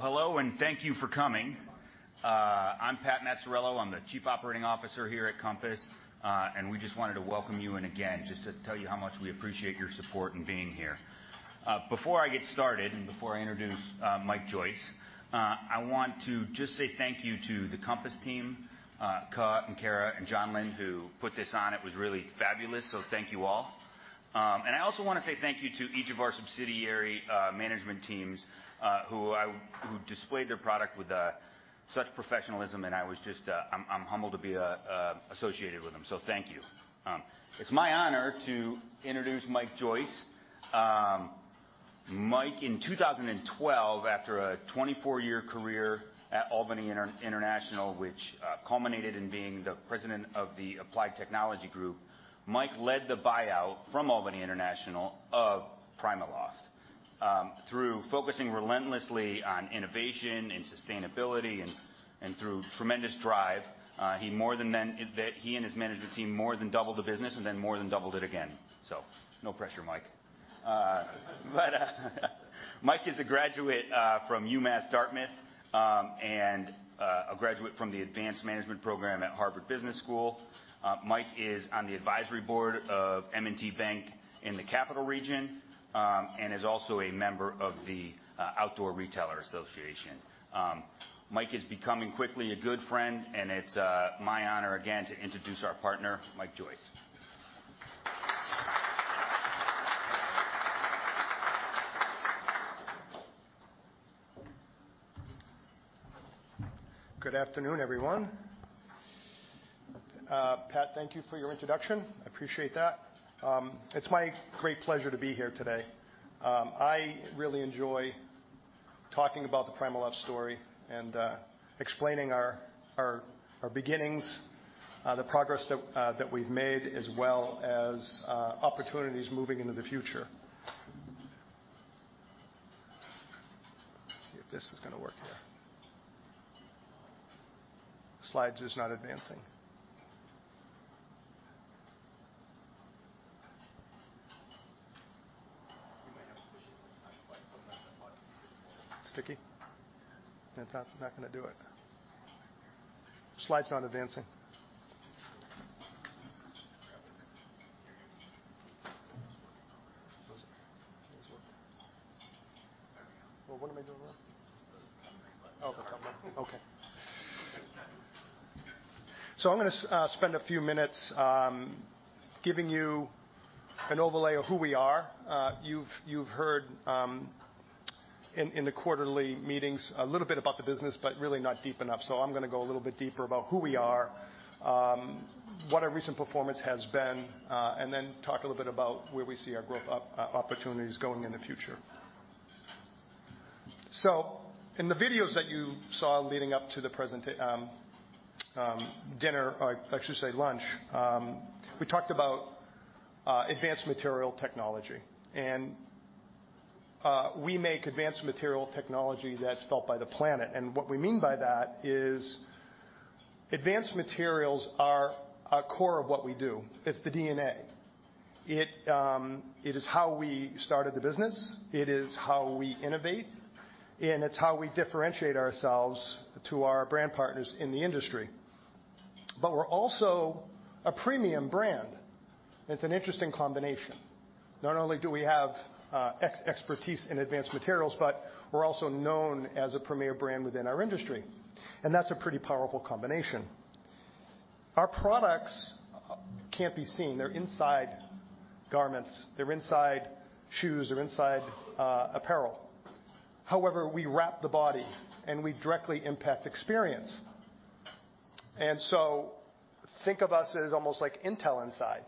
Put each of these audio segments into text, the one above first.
Hello and thank you for coming. I'm Pat Maciariello, I'm the Chief Operating Officer here at Compass, and we just wanted to welcome you in again, just to tell you how much we appreciate your support and being here. Before I get started and before I introduce Mike Joyce, I want to just say thank you to the Compass team, Coh and Kara and John Lynn who put this on. It was really fabulous, so thank you all. I also want to say thank you to each of our subsidiary management teams, who displayed their product with such professionalism and I'm humbled to be associated with them, so thank you. It's my honor to introduce Mike Joyce. Mike, in 2012, after a 24-year career at Albany International, which culminated in being the President of the Applied Technology Group, Mike led the buyout from Albany International of PrimaLoft, through focusing relentlessly on innovation and sustainability and through tremendous drive, he and his management team more than doubled the business and then more than doubled it again. No pressure, Mike. Mike is a graduate from UMass Dartmouth and a graduate from the Advanced Management Program at Harvard Business School. Mike is on the advisory board of M&T Bank in the Capital Region and is also a member of the Outdoor Industry Association. Mike is becoming quickly a good friend and it's my honor again to introduce our partner, Mike Joyce. Good afternoon, everyone. Pat, thank you for your introduction. I appreciate that. It's my great pleasure to be here today. I really enjoy talking about the PrimaLoft story and explaining our beginnings, the progress that we've made, as well as opportunities moving into the future. See if this is going to work here. Slide just not advancing. My SVG one's not quite. I'm not going to watch it. Sticky? That's not going to do it. Slide's not advancing. Here's what. Well, what am I doing now? Oh, the camera. Okay. I'm going to spend a few minutes, giving you an overlay of who we are. You've heard, in the quarterly meetings a little bit about the business, but really not deep enough. I'm going to go a little bit deeper about who we are, what our recent performance has been, and talk a little bit about where we see our growth opportunities going in the future. In the videos that you saw leading up to the present, dinner, or I should say lunch, we talked about advanced material technology. We make advanced material technology that's felt by the planet. What we mean by that is advanced materials are a core of what we do. It's the DNA. It is how we started the business. It is how we innovate. It's how we differentiate ourselves to our brand partners in the industry. We're also a premium brand. It's an interesting combination. Not only do we have expertise in advanced materials, but we're also known as a premier brand within our industry. That's a pretty powerful combination. Our products can't be seen. They're inside garments. They're inside shoes. They're inside apparel. However, we wrap the body and we directly impact experience. Think of us as almost like Intel Inside.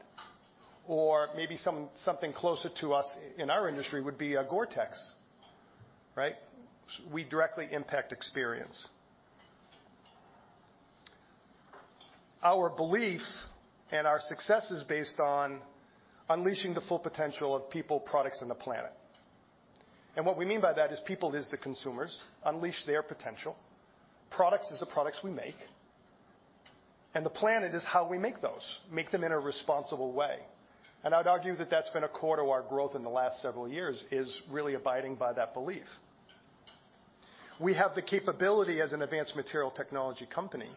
Maybe something closer to us in our industry would be a GORE-TEX, right? We directly impact experience. Our belief and our success is based on unleashing the full potential of people, products, and the planet. What we mean by that is people is the consumers, unleash their potential. Products is the products we make. The planet is how we make those, make them in a responsible way. I'd argue that that's been a core to our growth in the last several years is really abiding by that belief. We have the capability as an advanced material technology company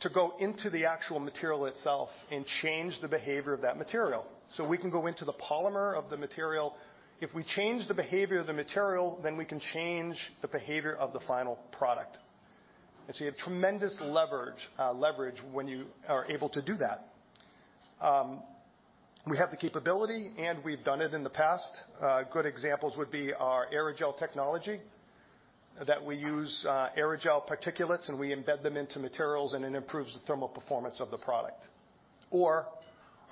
to go into the actual material itself and change the behavior of that material. We can go into the polymer of the material. If we change the behavior of the material, then we can change the behavior of the final product. You have tremendous leverage when you are able to do that. We have the capability and we've done it in the past. Good examples would be our aerogel technology that we use, aerogel particulates and we embed them into materials and it improves the thermal performance of the product. Or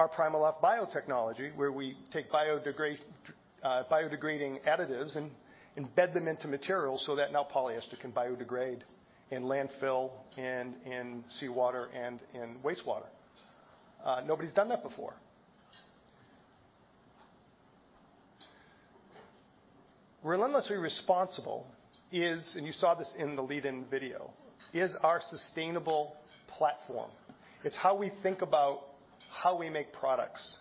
our PrimaLoft biotechnology where we take biodegrading additives and embed them into materials so that now polyester can biodegrade in landfill and in seawater and in wastewater. Nobody's done that before. Relentlessly Responsible is, and you saw this in the lead-in video, our sustainable platform. It's how we think about how we make products.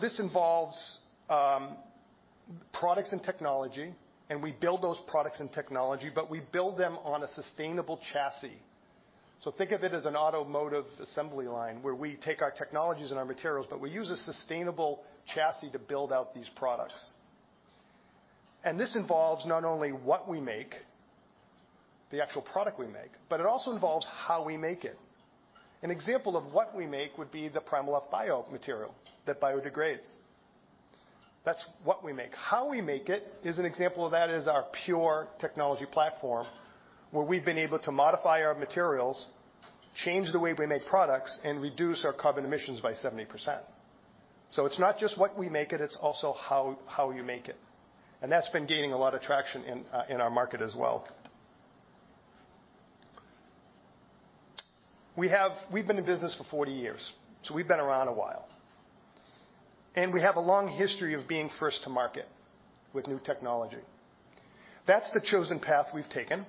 This involves products and technology and we build those products and technology, but we build them on a sustainable chassis. Think of it as an automotive assembly line where we take our technologies and our materials, but we use a sustainable chassis to build out these products. This involves not only what we make, the actual product we make, but it also involves how we make it. An example of what we make would be the PrimaLoft Bio material that biodegrades. That's what we make. How we make it is an example of that is our P.U.R.E. technology platform where we've been able to modify our materials, change the way we make products, and reduce our carbon emissions by 70%. It's not just what we make it's also how you make it. That's been gaining a lot of traction in our market as well. We've been in business for 40 years, so we've been around a while. We have a long history of being first to market with new technology. That's the chosen path we've taken.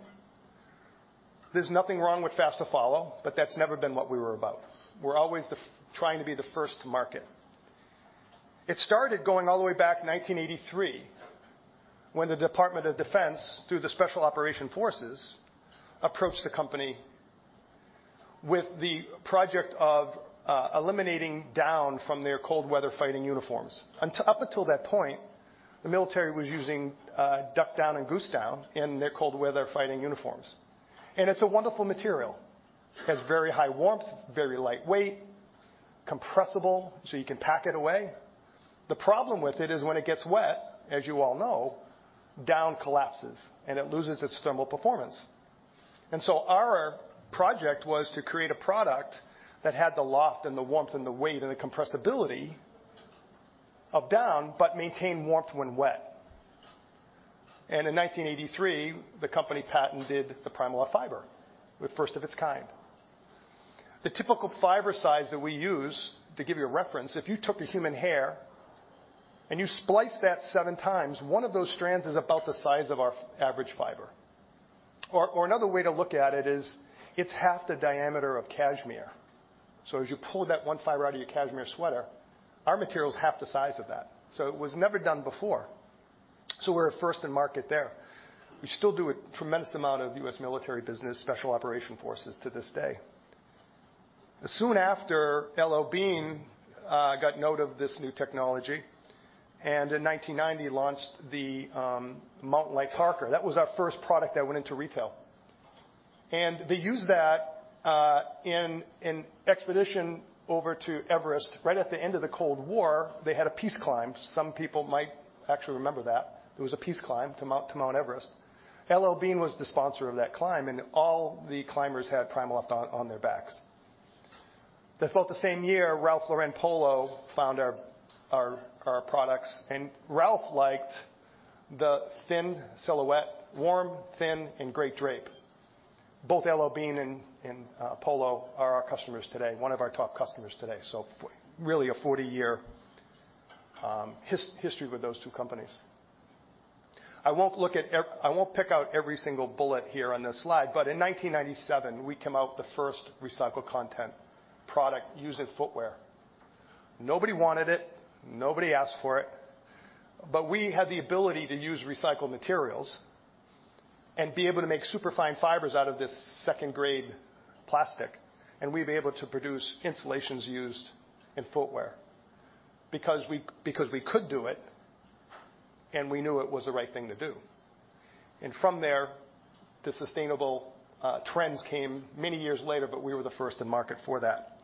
There's nothing wrong with fast to follow, but that's never been what we were about. We're always trying to be the first to market. It started going all the way back in 1983 when the Department of Defense, through the Special Operations Forces, approached the company with the project of eliminating down from their cold weather fighting uniforms. Up until that point, the military was using duck down and goose down in their cold weather fighting uniforms. It's a wonderful material. It has very high warmth, very lightweight, compressible, so you can pack it away. The problem with it is when it gets wet, as you all know, down collapses and it loses its thermal performance. Our project was to create a product that had the loft and the warmth and the weight and the compressibility of down, but maintain warmth when wet. In 1983, the company Patton did the PrimaLoft fiber, the first of its kind. The typical fiber size that we use, to give you a reference, if you took a human hair and you spliced that 7x, one of those strands is about the size of our average fiber. Another way to look at it is it's half the diameter of cashmere. As you pull that one fiber out of your cashmere sweater, our material's half the size of that. It was never done before. We're first in market there. We still do a tremendous amount of U.S. military business, Special Operations Forces, to this day. Soon after, L.L.Bean got note of this new technology and in 1990 launched the Mountainlight Jacket. That was our first product that went into retail. They used that in an expedition over to Everest. Right at the end of the Cold War, they had a peace climb. Some people might actually remember that. There was a peace climb to Mount Everest. L.L.Bean was the sponsor of that climb and all the climbers had PrimaLoft on their backs. That's about the same year Polo Ralph Lauren found our products. Ralph liked the thin silhouette, warm, thin, and great drape. Both L.L.Bean and Polo are our customers today, one of our top customers today. Really a 40-year history with those two companies. I won't pick out every single bullet here on this slide, but in 1997, we came out with the first recycled content product, using footwear. Nobody wanted it. Nobody asked for it. We had the ability to use recycled materials and be able to make super fine fibers out of this second-grade plastic. We've been able to produce insulations used in footwear because we could do it and we knew it was the right thing to do. From there, the sustainable trends came many years later, but we were the first in market for that.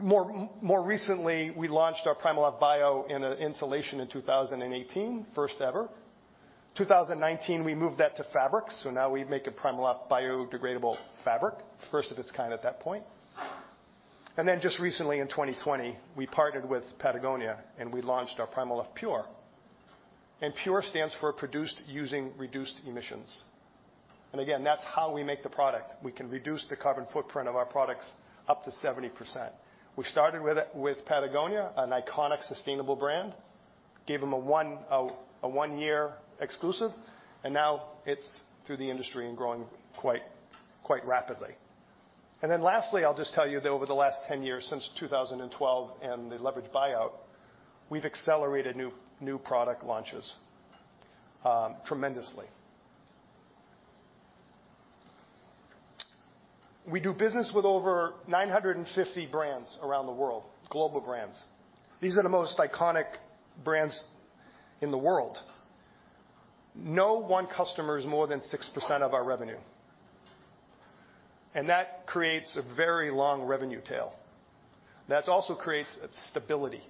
More recently, we launched our PrimaLoft Bio in an insulation in 2018, first ever. In 2019, we moved that to fabrics. Now we make a PrimaLoft biodegradable fabric, first of its kind at that point. Just recently, in 2020, we partnered with Patagonia and we launched our PrimaLoft Pure. Pure stands for produced using reduced emissions. Again, that's how we make the product. We can reduce the carbon footprint of our products up to 70%. We started with it with Patagonia, an iconic sustainable brand, gave them a one-year exclusive. Now it's through the industry and growing quite rapidly. Lastly, I'll just tell you that over the last 10 years, since 2012 and the leveraged buyout, we've accelerated new product launches tremendously. We do business with over 950 brands around the world, global brands. These are the most iconic brands in the world. No one customer is more than 6% of our revenue. That creates a very long revenue tail. That also creates stability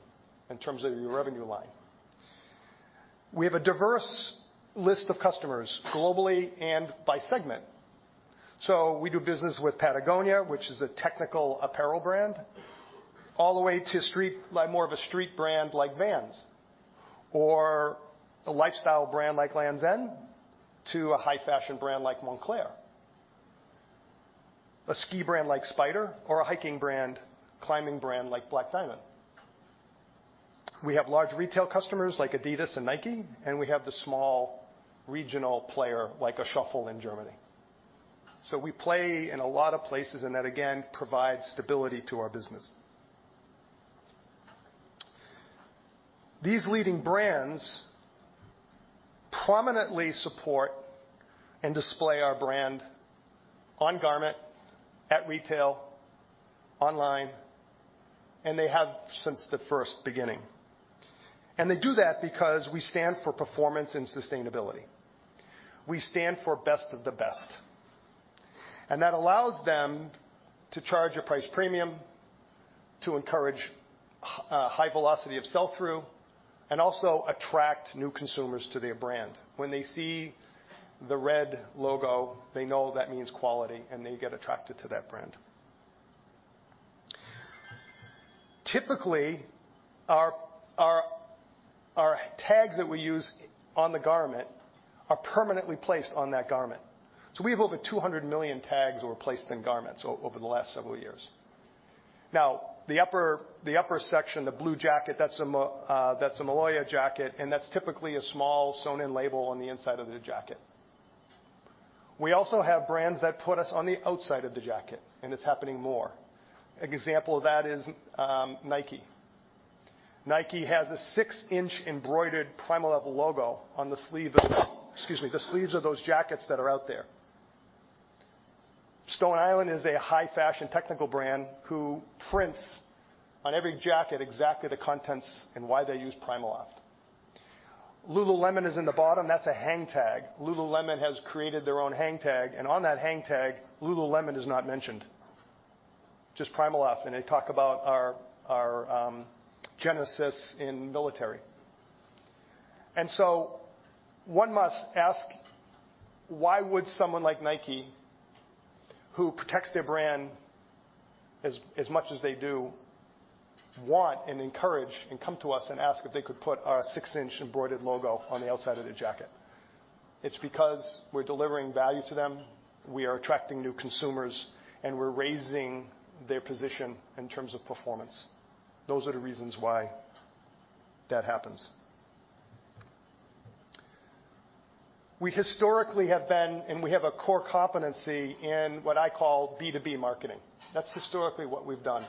in terms of your revenue line. We have a diverse list of customers globally and by segment. We do business with Patagonia, which is a technical apparel brand, all the way to a street, like more of a street brand like Vans, or a lifestyle brand like Lands' End, to a high-fashion brand like Moncler, a ski brand like Spyder, or a hiking brand, climbing brand like Black Diamond. We have large retail customers like Adidas and Nike. We have the small regional player like a Schöffel in Germany. We play in a lot of places, and that again provides stability to our business. These leading brands prominently support and display our brand on garment, at retail, online. They have since the first beginning. They do that because we stand for performance and sustainability. We stand for best of the best. That allows them to charge a price premium, to encourage a high velocity of sell-through, and also attract new consumers to their brand. When they see the red logo, they know that means quality, and they get attracted to that brand. Typically, our tags that we use on the garment are permanently placed on that garment. We have over 200 million tags that were placed in garments over the last several years. Now, the upper section, the blue jacket, that's a Maloja jacket, and that's typically a small sewn-in label on the inside of the jacket. We also have brands that put us on the outside of the jacket, and it's happening more. An example of that is Nike. Nike has a six-inch embroidered PrimaLoft logo on the sleeve of, excuse me, the sleeves of those jackets that are out there. Stone Island is a high-fashion technical brand who prints on every jacket exactly the contents and why they use PrimaLoft. Lululemon is in the bottom. That's a hang tag. Lululemon has created their own hang tag, and on that hang tag, Lululemon is not mentioned, just PrimaLoft, and they talk about our genesis in military. One must ask, why would someone like Nike, who protects their brand as much as they do, want and encourage and come to us and ask if they could put a six-inch embroidered logo on the outside of their jacket? It's because we're delivering value to them, we are attracting new consumers, and we're raising their position in terms of performance. Those are the reasons why that happens. We historically have been, and we have a core competency in what I call B2B marketing. That's historically what we've done.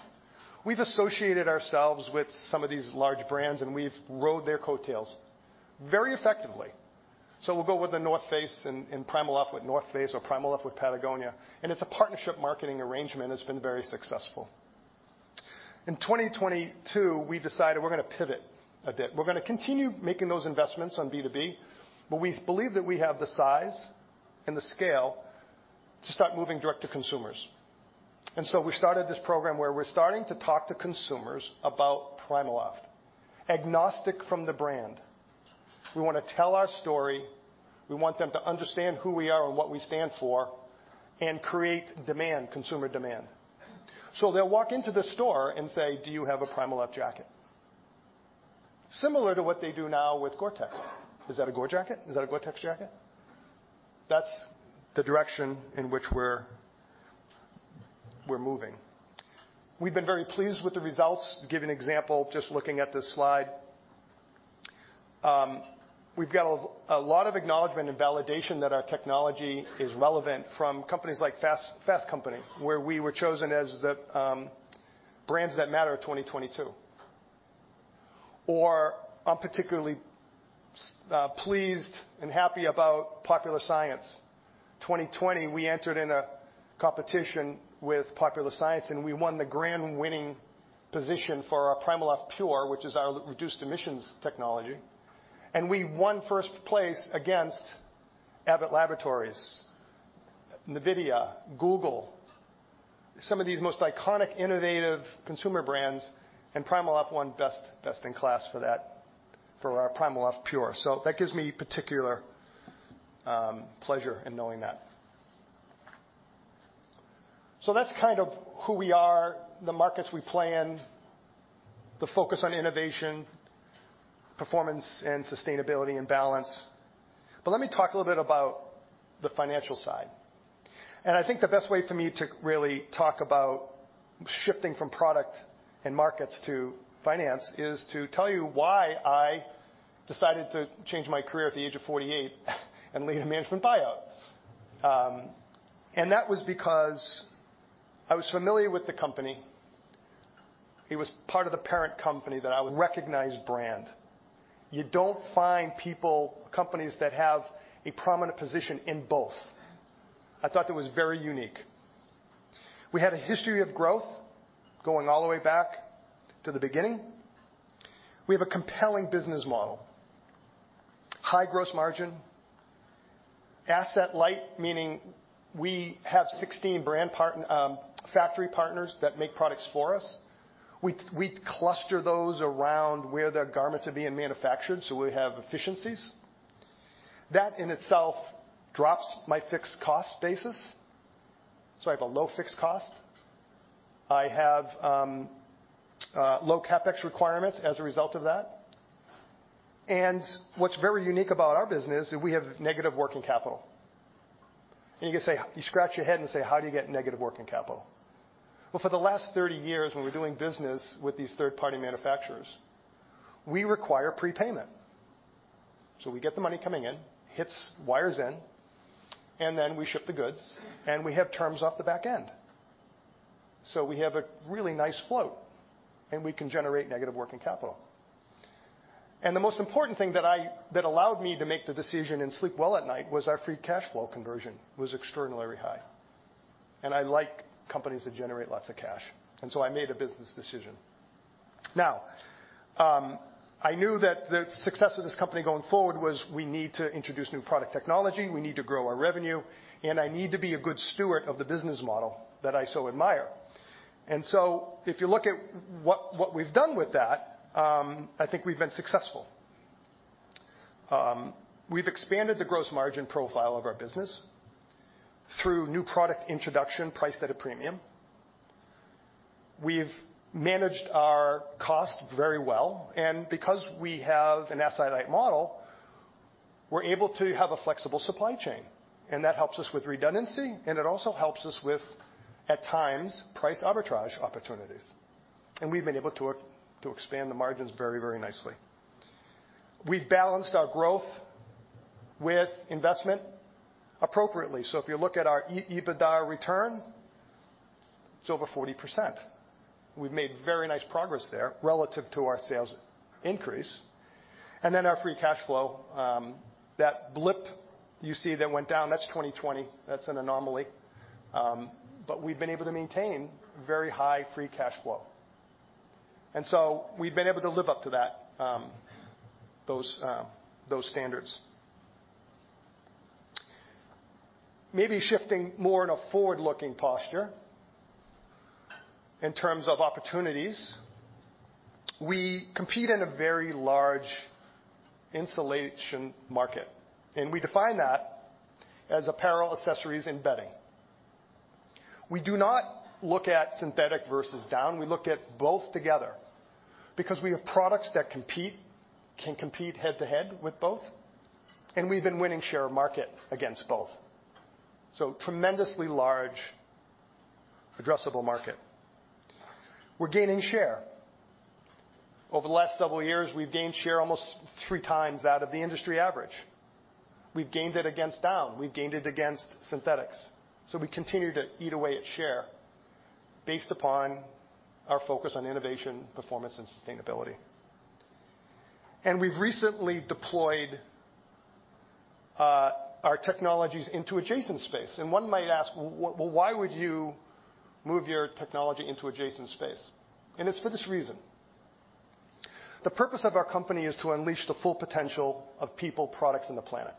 We've associated ourselves with some of these large brands, and we've rode their coattails very effectively. We'll go with The North Face and PrimaLoft with The North Face or PrimaLoft with Patagonia, and it's a partnership marketing arrangement that's been very successful. In 2022, we decided we're going to pivot a bit. We're going to continue making those investments on B2B. We believe that we have the size and the scale to start moving direct to consumers. We've started this program where we're starting to talk to consumers about PrimaLoft, agnostic from the brand. We want to tell our story. We want them to understand who we are and what we stand for and create demand, consumer demand. They'll walk into the store and say, "Do you have a PrimaLoft jacket?" Similar to what they do now with GORE-TEX. Is that a Gore jacket? Is that a GORE-TEX jacket? That's the direction in which we're moving. We've been very pleased with the results. To give you an example, just looking at this slide, we've got a lot of acknowledgment and validation that our technology is relevant from companies like Fast Company, where we were chosen as the, brands that matter in 2022. I'm particularly, pleased and happy about Popular Science. In 2020, we entered in a competition with Popular Science, we won the grand-winning position for our PrimaLoft P.U.R.E., which is our reduced emissions technology. We won first place against Abbott Laboratories, NVIDIA, Google, some of these most iconic, innovative consumer brands, PrimaLoft won best in class for that, for our PrimaLoft P.U.R.E. That gives me particular, pleasure in knowing that. That's kind of who we are, the markets we play in, the focus on innovation, performance, and sustainability and balance. Let me talk a little bit about the financial side. I think the best way for me to really talk about shifting from product and markets to finance is to tell you why I decided to change my career at the age of 48 and lead a management buyout. That was because I was familiar with the company. It was part of the parent company that I would recognize brand. You don't find people, companies that have a prominent position in both. I thought that was very unique. We had a history of growth going all the way back to the beginning. We have a compelling business model, high gross margin, asset light, meaning we have 16 brand partners, factory partners that make products for us. We cluster those around where their garments are being manufactured, so we have efficiencies. That in itself drops my fixed cost basis. I have a low fixed cost. I have, low CapEx requirements as a result of that. What's very unique about our business is that we have negative working capital. You can say, you scratch your head and say, "How do you get negative working capital?" Well, for the last 30 years, when we're doing business with these third-party manufacturers, we require prepayment. We get the money coming in, hits, wires in, and then we ship the goods, and we have terms off the back end. We have a really nice float, and we can generate negative working capital. The most important thing that allowed me to make the decision and sleep well at night was our free cash flow conversion was extraordinarily high. I like companies that generate lots of cash. I made a business decision. I knew that the success of this company going forward was we need to introduce new product technology, we need to grow our revenue, and I need to be a good steward of the business model that I so admire. So if you look at what we've done with that, I think we've been successful. We've expanded the gross margin profile of our business through new product introduction, price that a premium. We've managed our cost very well. Because we have an asset light model, we're able to have a flexible supply chain. That helps us with redundancy, and it also helps us with, at times, price arbitrage opportunities. We've been able to expand the margins very nicely. We've balanced our growth with investment appropriately. If you look at our EBITDA return, it's over 40%. We've made very nice progress there relative to our sales increase. Our free cash flow, that blip you see that went down, that's 2020. That's an anomaly, but we've been able to maintain very high free cash flow. We've been able to live up to that, those standards. Maybe shifting more in a forward-looking posture in terms of opportunities, we compete in a very large insulation market. We define that as apparel accessories embedding. We do not look at synthetic versus down. We look at both together because we have products that compete, can compete head-to-head with both. We've been winning share of market against both. Tremendously large addressable market. We're gaining share. Over the last several years, we've gained share almost three times that of the industry average. We've gained it against down. We've gained it against synthetics. We continue to eat away at share based upon our focus on innovation, performance, and sustainability. We've recently deployed, our technologies into adjacent space. One might ask, "Well, why would you move your technology into adjacent space?" It's for this reason. The purpose of our company is to unleash the full potential of people, products, and the planet.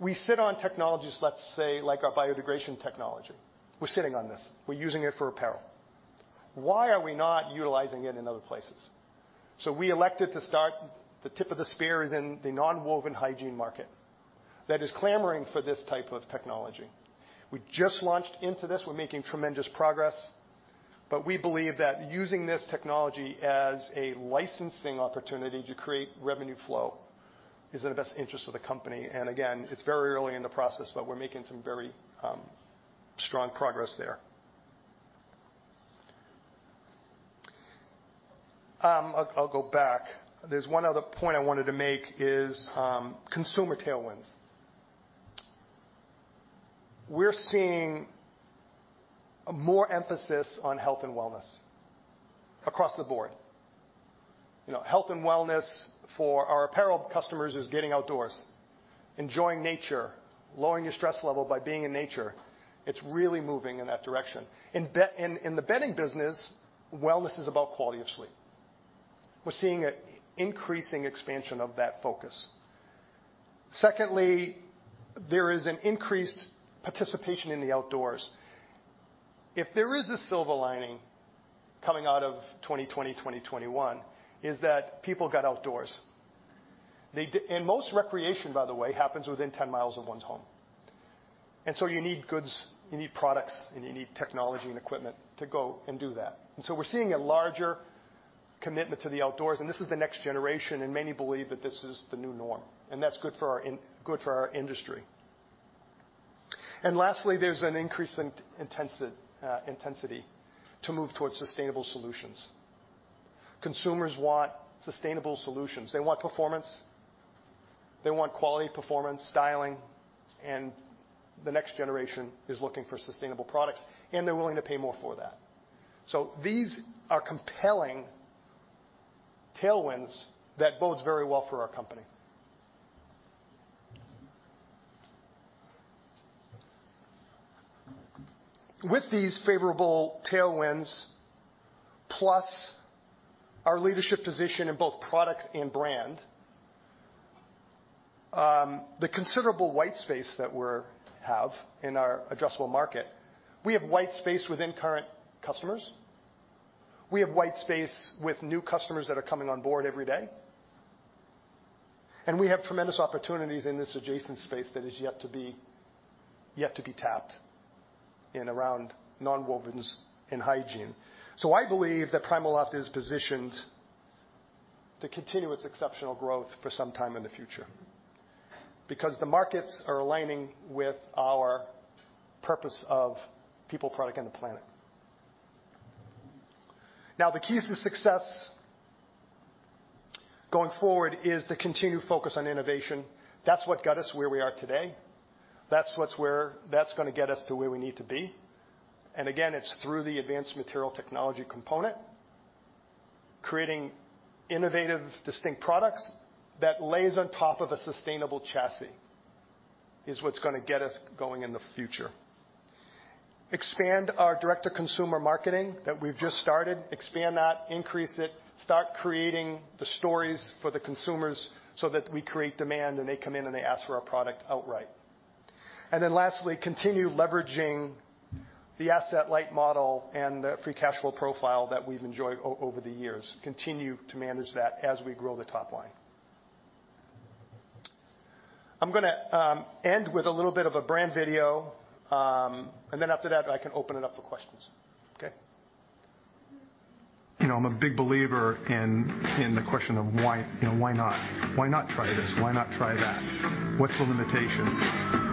We sit on technologies, let's say, like our biodegradation technology. We're sitting on this. We're using it for apparel. Why are we not utilizing it in other places? We elected to start, the tip of the spear is in the non-woven hygiene market that is clamoring for this type of technology. We just launched into this. We're making tremendous progress. We believe that using this technology as a licensing opportunity to create revenue flow is in the best interest of the company. Again, it's very early in the process, but we're making some very strong progress there. I'll go back. There's one other point I wanted to make is consumer tailwinds. We're seeing more emphasis on health and wellness across the board. You know, health and wellness for our apparel customers is getting outdoors, enjoying nature, lowering your stress level by being in nature. It's really moving in that direction. In bed, in the bedding business, wellness is about quality of sleep. We're seeing an increasing expansion of that focus. Secondly, there is an increased participation in the outdoors. If there is a silver lining coming out of 2020, 2021, is that people got outdoors. They did, and most recreation, by the way, happens within 10 mi of one's home. You need goods, you need products, and you need technology and equipment to go and do that. We're seeing a larger commitment to the outdoors. This is the next generation, and many believe that this is the new norm. That's good for our industry. Lastly, there's an increasing intensity to move towards sustainable solutions. Consumers want sustainable solutions. They want performance. They want quality, performance, styling. The next generation is looking for sustainable products, and they're willing to pay more for that. These are compelling tailwinds that bode very well for our company. With these favorable tailwinds, plus our leadership position in both product and brand, the considerable white space that we have in our addressable market, we have white space within current customers. We have white space with new customers that are coming on board every day. We have tremendous opportunities in this adjacent space that is yet to be tapped in around non-wovens and hygiene. I believe that PrimaLoft is positioned to continue its exceptional growth for some time in the future because the markets are aligning with our purpose of people, product, and the planet. Now, the keys to success going forward is to continue focus on innovation. That's what got us where we are today. That's going to get us to where we need to be. Again, it's through the advanced material technology component, creating innovative, distinct products that lays on top of a sustainable chassis is what's going to get us going in the future. Expand our direct-to-consumer marketing that we've just started. Expand that, increase it, start creating the stories for the consumers so that we create demand and they come in and they ask for our product outright. Lastly, continue leveraging the asset light model and the free cash flow profile that we've enjoyed over the years. Continue to manage that as we grow the top line. I'm going to end with a little bit of a brand video, and then after that, I can open it up for questions. Okay? You know, I'm a big believer in the question of why, you know, why not? Why not try this? Why not try that? What's the limitation?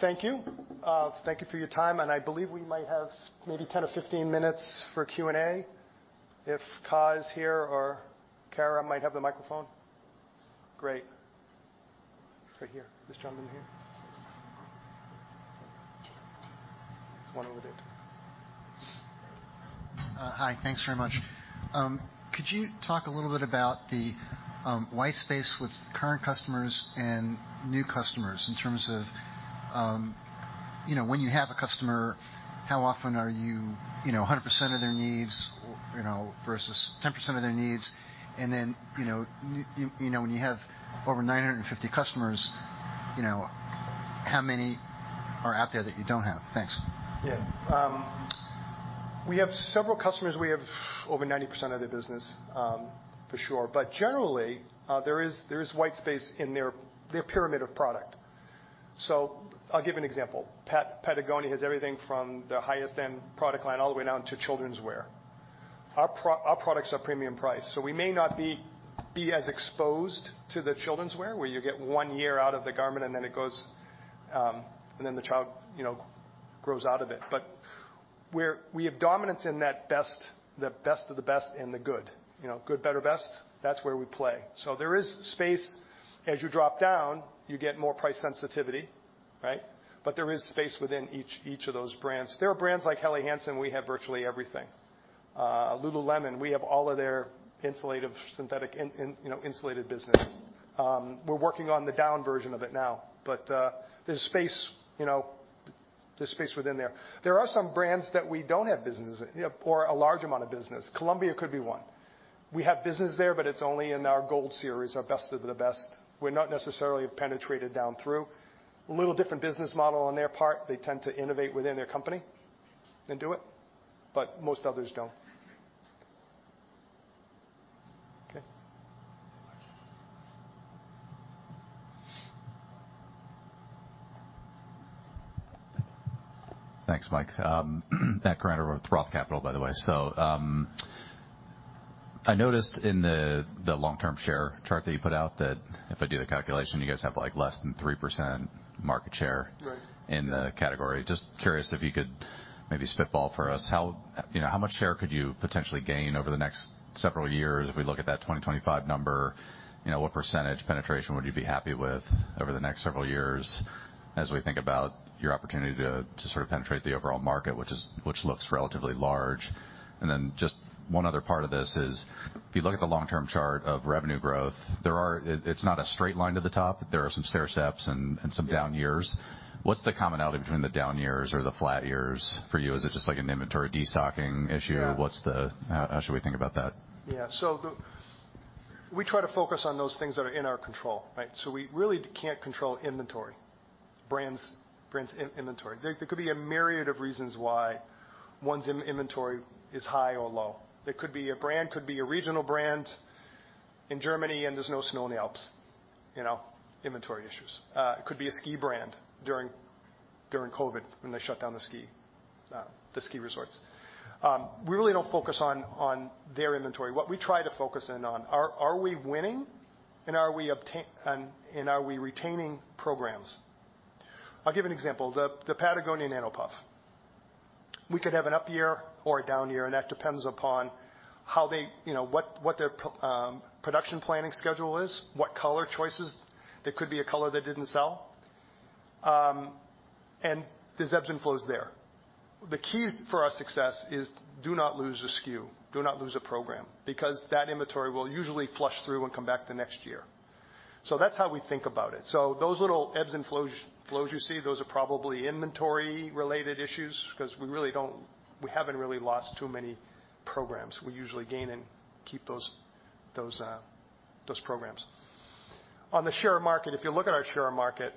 Thank you. Thank you for your time. I believe we might have maybe 10 or 15 minutes for Q&A if Kaz here or Kara might have the microphone. Great. Right here. Please jump in here. It's one over there. Hi. Thanks very much. Could you talk a little bit about the white space with current customers and new customers in terms of, you know, when you have a customer, how often are you know, 100% of their needs, you know, versus 10% of their needs? Then, you know, you know, when you have over 950 customers, you know, how many are out there that you don't have? Thanks. Yeah. We have several customers. We have over 90% of their business, for sure. Generally, there is white space in their pyramid of product. I'll give an example. Patagonia has everything from the highest-end product line all the way down to children's wear. Our products are premium priced. We may not be as exposed to the children's wear where you get one year out of the garment and then it goes, and then the child, you know, grows out of it. We're, we have dominance in that best, the best of the best in the good, you know, good, better, best. That's where we play. There is space. As you drop down, you get more price sensitivity, right? There is space within each of those brands. There are brands like Helly Hansen. We have virtually everything. Lululemon. We have all of their insulative synthetic in, you know, insulated business. We're working on the down version of it now. There's space, you know, there's space within there. There are some brands that we don't have business, you know, or a large amount of business. Columbia could be one. We have business there, but it's only in our Gold series, our best of the best. We're not necessarily penetrated down through. A little different business model on their part. They tend to innovate within their company and do it. Most others don't. Okay. Thanks, Mike. At Carhartt or with Roth Capital, by the way. I noticed in the long-term share chart that you put out that if I do the calculation, you guys have like less than 3% market share in the category. Just curious if you could maybe spitball for us how, you know, how much share could you potentially gain over the next several years? If we look at that 2025 number, you know, what percentage penetration would you be happy with over the next several years as we think about your opportunity to sort of penetrate the overall market, which is, which looks relatively large? Just one other part of this is if you look at the long-term chart of revenue growth, there are, it's not a straight line to the top. There are some stair steps and some down years. What's the commonality between the down years or the flat years for you? Is it just like an inventory desocking issue? How should we think about that? Yeah. We try to focus on those things that are in our control, right? We really can't control inventory, brands inventory. There could be a myriad of reasons why one's inventory is high or low. There could be a brand, could be a regional brand in Germany and there's no snow in the Alps, you know, inventory issues. It could be a ski brand during COVID when they shut down the ski resorts. We really don't focus on their inventory. What we try to focus in on are we winning and are we obtaining and are we retaining programs. I'll give an example. The Patagonia Nano Puff. We could have an up year or a down year, and that depends upon how they, you know, what their production planning schedule is, what color choices. There could be a color that didn't sell. There's ebbs and flows there. The key for our success is do not lose a SKU, do not lose a program because that inventory will usually flush through and come back the next year. That's how we think about it. Those little ebbs and flows you see, those are probably inventory-related issues because we really don't, we haven't really lost too many programs. We usually gain and keep those programs. On the share market, if you look at our share market,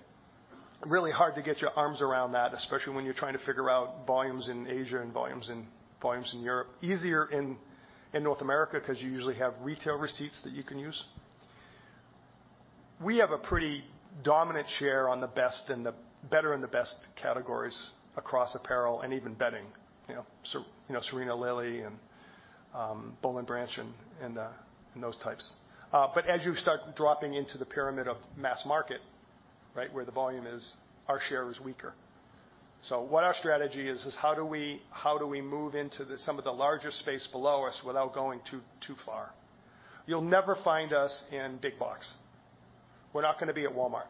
really hard to get your arms around that, especially when you're trying to figure out volumes in Asia and volumes in Europe. Easier in North America because you usually have retail receipts that you can use. We have a pretty dominant share on the best and the better in the best categories across apparel and even bedding, you know, Serena & Lily and Boll & Branch and those types. As you start dropping into the pyramid of mass market, right, where the volume is, our share is weaker. What our strategy is how do we move into the, some of the larger space below us without going too far? You'll never find us in Big Box. We're not going to be at Walmart.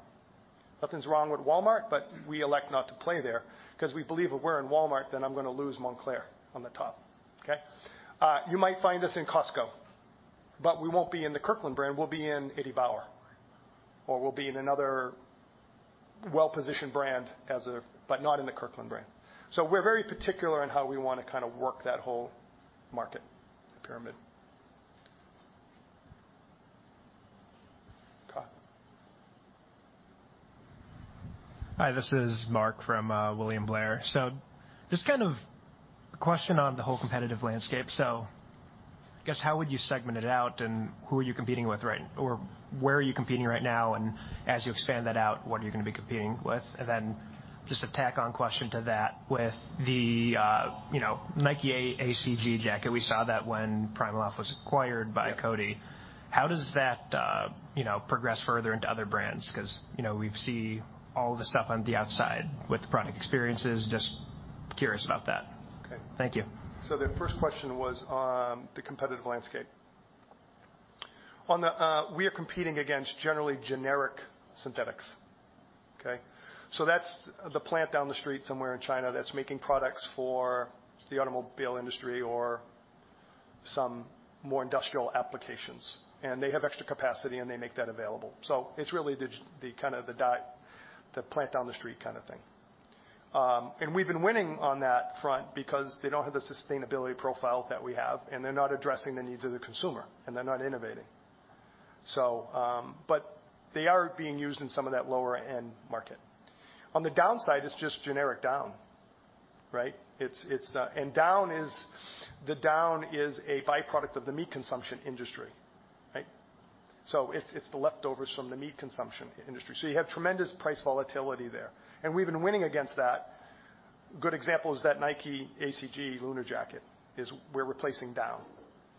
Nothing's wrong with Walmart, but we elect not to play there because we believe if we're in Walmart, then I'm going to lose Moncler on the top. Okay. You might find us in Costco, but we won't be in the Kirkland brand. We'll be in Eddie Bauer or we'll be in another well-positioned brand, but not in the Kirkland brand. We're very particular in how we want to kind of work that whole market, the pyramid. Hi, this is Marc from William Blair. Just kind of a question on the whole competitive landscape. I guess how would you segment it out and who are you competing with right now, or where are you competing right now? As you expand that out, what are you going to be competing with? Then just a tack-on question to that with the, you know, Nike ACG jacket. We saw that when PrimaLoft was acquired by CODI. How does that, you know, progress further into other brands? Because, you know, we've seen all the stuff on the outside with product experiences. Just curious about that. Okay. Thank you. The first question was on the competitive landscape. On the, we are competing against generally generic synthetics. Okay. That's the plant down the street somewhere in China that's making products for the automobile industry or some more industrial applications. They have extra capacity and they make that available. It's really the kind of the plant down the street kind of thing. We've been winning on that front because they don't have the sustainability profile that we have and they're not addressing the needs of the consumer and they're not innovating. They are being used in some of that lower-end market. On the downside, it's just generic down, right? Down is a byproduct of the meat consumption industry, right? It's the leftovers from the meat consumption industry. You have tremendous price volatility there. We've been winning against that. Good example is that Nike ACG lunar jacket is we're replacing down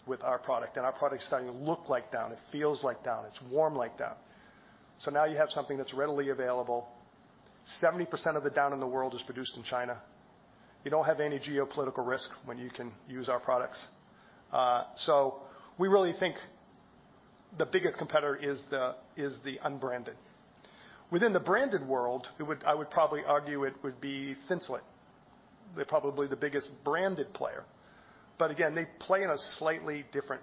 with our product. Our product is starting to look like down. It feels like down. It's warm like down. Now you have something that's readily available. 70% of the down in the world is produced in China. You don't have any geopolitical risk when you can use our products. We really think the biggest competitor is the unbranded. Within the branded world, I would probably argue it would be Finslet. They're probably the biggest branded player. Again, they play in a slightly different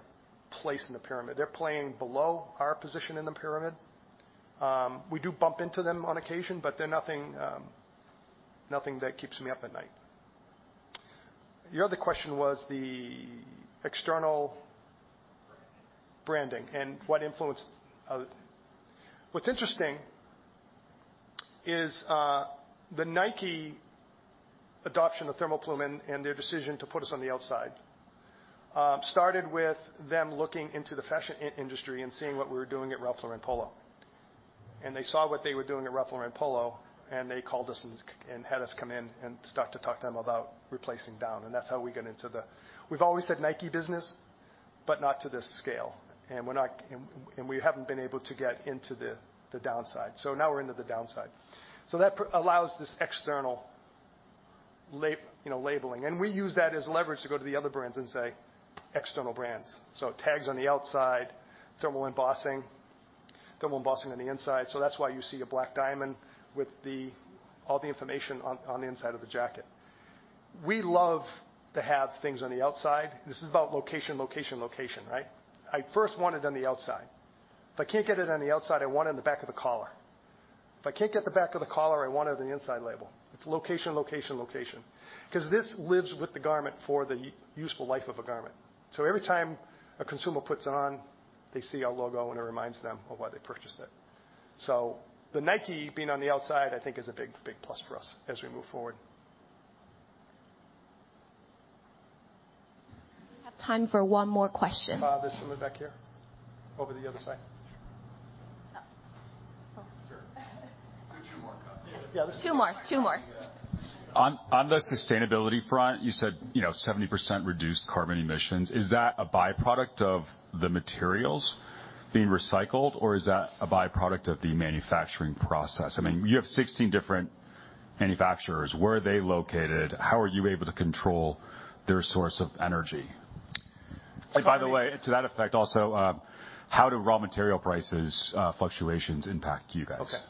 place in the pyramid. They're playing below our position in the pyramid. We do bump into them on occasion, but they're nothing that keeps me up at night. The other question was the external branding and what influenced, what's interesting is, the Nike adoption of ThermoPlume and their decision to put us on the outside, started with them looking into the fashion industry and seeing what we were doing at Ruffalo and Polo. They saw what they were doing at Ruffalo and Polo and they called us and had us come in and start to talk to them about replacing down. That's how we got into the, we've always said Nike business, but not to this scale. We're not, and we haven't been able to get into the downside. Now we're into the downside. That allows this external lab, you know, labeling. We use that as leverage to go to the other brands and say, external brands. Tags on the outside, thermal embossing, thermal embossing on the inside. That's why you see a Black Diamond with all the information on the inside of the jacket. We love to have things on the outside. This is about location, location, right? I first want it on the outside. If I can't get it on the outside, I want it on the back of the collar. If I can't get the back of the collar, I want it on the inside label. It's location, location. This lives with the garment for the useful life of a garment. Every time a consumer puts it on, they see our logo and it reminds them of why they purchased it. The Nike being on the outside, I think, is a big plus for us as we move forward. Have time for one more question. There's someone back here over the other side. Sure. Yeah, there's two more. On the sustainability front, you said, you know, 70% reduced carbon emissions. Is that a byproduct of the materials being recycled, or is that a byproduct of the manufacturing process? I mean, you have 16 different manufacturers. Where are they located? How are you able to control their source of energy? And by the way, to that effect also, how do raw material prices, fluctuations impact you guys? Okay.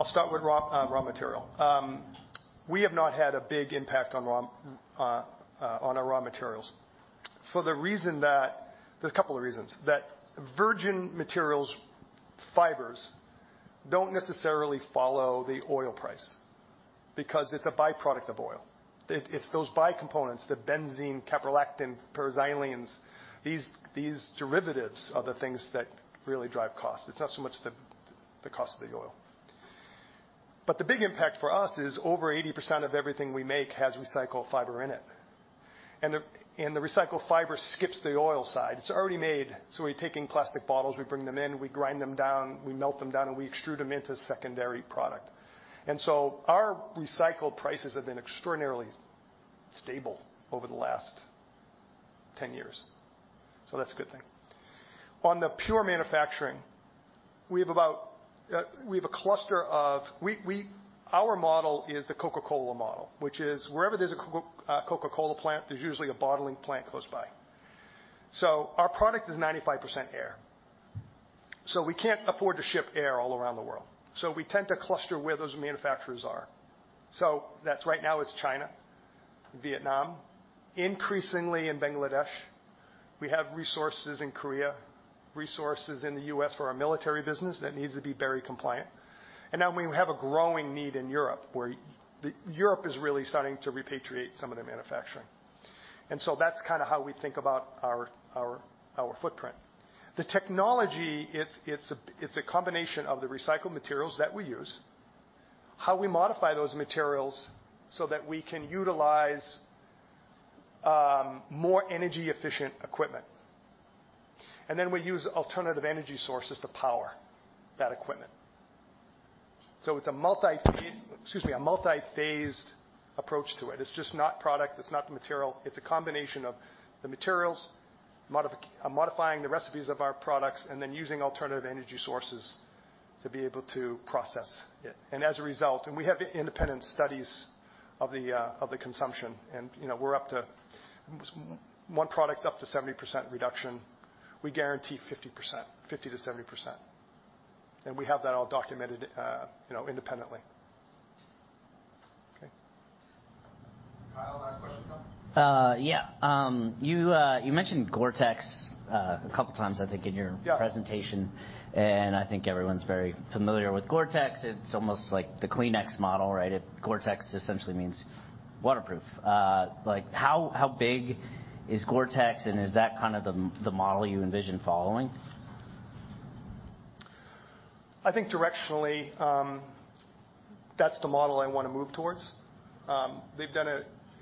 I'll start with raw material. We have not had a big impact on our raw materials for the reason that there's a couple of reasons that virgin materials fibers don't necessarily follow the oil price because it's a byproduct of oil. It's those bycomponents, the benzene, caprolactam, paraxylene. These derivatives are the things that really drive costs. It's not so much the cost of the oil. The big impact for us is over 80% of everything we make has recycled fiber in it. The recycled fiber skips the oil side. It's already made. We're taking plastic bottles, we bring them in, we grind them down, we melt them down, and we extrude them into a secondary product. Our recycled prices have been extraordinarily stable over the last 10 years. That's a good thing. On the pure manufacturing, we have about, we have a cluster of, our model is the Coca-Cola model, which is wherever there's a Coca-Cola plant, there's usually a bottling plant close by. Our product is 95% air. We can't afford to ship air all around the world. We tend to cluster where those manufacturers are. That's right now. It's China, Vietnam, increasingly in Bangladesh. We have resources in Korea, resources in the U.S. for our military business that needs to be very compliant. Now we have a growing need in Europe where the Europe is really starting to repatriate some of the manufacturing. That's kind of how we think about our footprint. The technology, it's a combination of the recycled materials that we use, how we modify those materials so that we can utilize more energy-efficient equipment. Then we use alternative energy sources to power that equipment. So it's a multi, excuse me, a multi-phased approach to it. It's just not product. It's not the material. It's a combination of the materials, modifying the recipes of our products, and then using alternative energy sources to be able to process it. As a result, we have independent studies of the consumption. You know, we're up to one product's up to 70% reduction. We guarantee 50%, 50%-70%. We have that all documented, you know, independently. Okay. Kyle? Yeah. You mentioned GORE-TEX a couple of times, I think, in your presentation. I think everyone's very familiar with GORE-TEX. It's almost like the Kleenex model, right? GORE-TEX essentially means waterproof. Like how big is GORE-TEX and is that kind of the model you envision following? I think directionally, that's the model I want to move towards.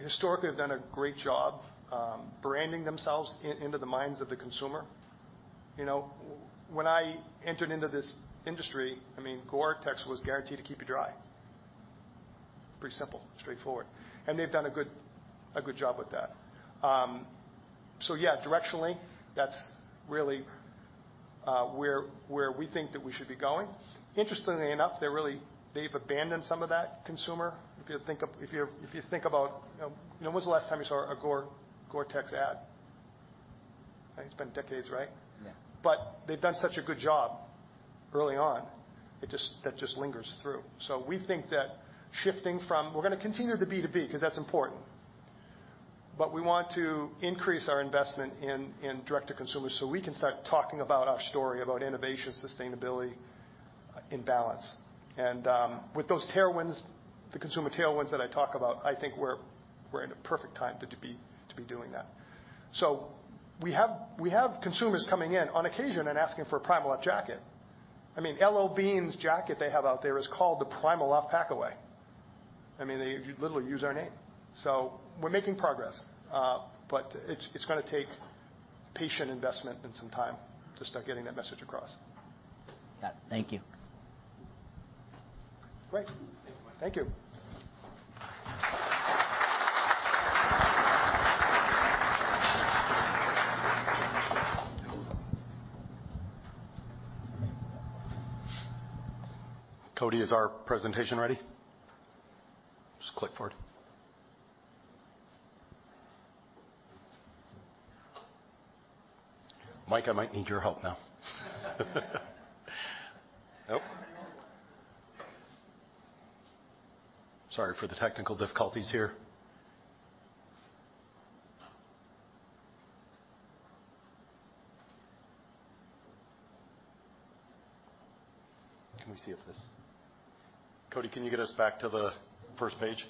Historically, they've done a great job branding themselves into the minds of the consumer. You know, when I entered into this industry, I mean GORE-TEX was guaranteed to keep you dry. Pretty simple, straightforward. They've done a good job with that. Yeah, directionally, that's really where we think that we should be going. Interestingly enough, they're really, they've abandoned some of that consumer. If you think about, you know, when's the last time you saw a GORE-TEX ad? It's been decades, right? Yeah. But they've done such a good job early on. That just lingers through. We think that shifting from, we're going to continue to B2B because that's important, but we want to increase our investment in direct to consumers so we can start talking about our story about innovation, sustainability, in balance. With those tailwinds, the consumer tailwinds that I talk about, I think we're in a perfect time to be doing that. We have consumers coming in on occasion and asking for a PrimaLoft jacket. I mean, L.L.Bean's jacket they have out there is called the PrimaLoft Packaway. I mean, they literally use our name. We're making progress, but it's going to take patient investment and some time to start getting that message across. Got it. Thank you. Great. Thank you. Cody, is our presentation ready? Just click forward. Mike, I might need your help now. Nope. Sorry for the technical difficulties here. Can we see if Cody, can you get us back to the first page?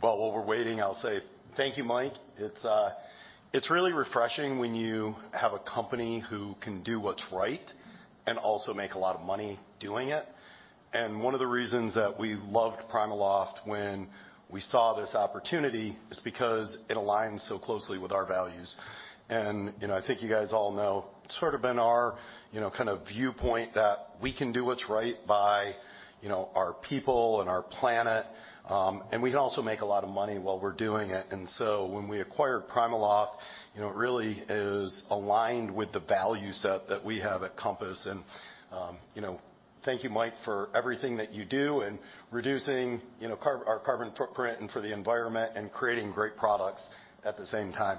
While we're waiting, I'll say thank you, Mike. It's really refreshing when you have a company who can do what's right and also make a lot of money doing it. One of the reasons that we loved PrimaLoft when we saw this opportunity is because it aligns so closely with our values. You know, I think you guys all know it's sort of been our, you know, kind of viewpoint that we can do what's right by, you know, our people and our planet. We can also make a lot of money while we're doing it. When we acquired PrimaLoft, you know, it really is aligned with the value set that we have at Compass. You know, thank you, Mike, for everything that you do and reducing, you know, our carbon footprint and for the environment and creating great products at the same time.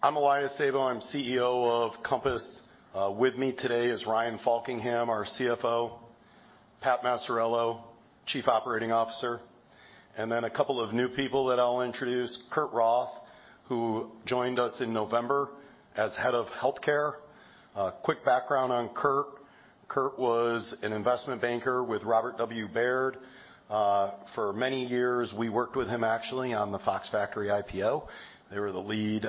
I'm Elias Sabo. I'm CEO of Compass. With me today is Ryan Faulkingham, our CFO, Pat Maciariello, Chief Operating Officer, and then a couple of new people that I'll introduce, Kurt Roth, who joined us in November as Head of Healthcare. Quick background on Kurt. Kurt was an investment banker with Robert W. Baird for many years, we worked with him actually on the Fox Factory IPO. They were the lead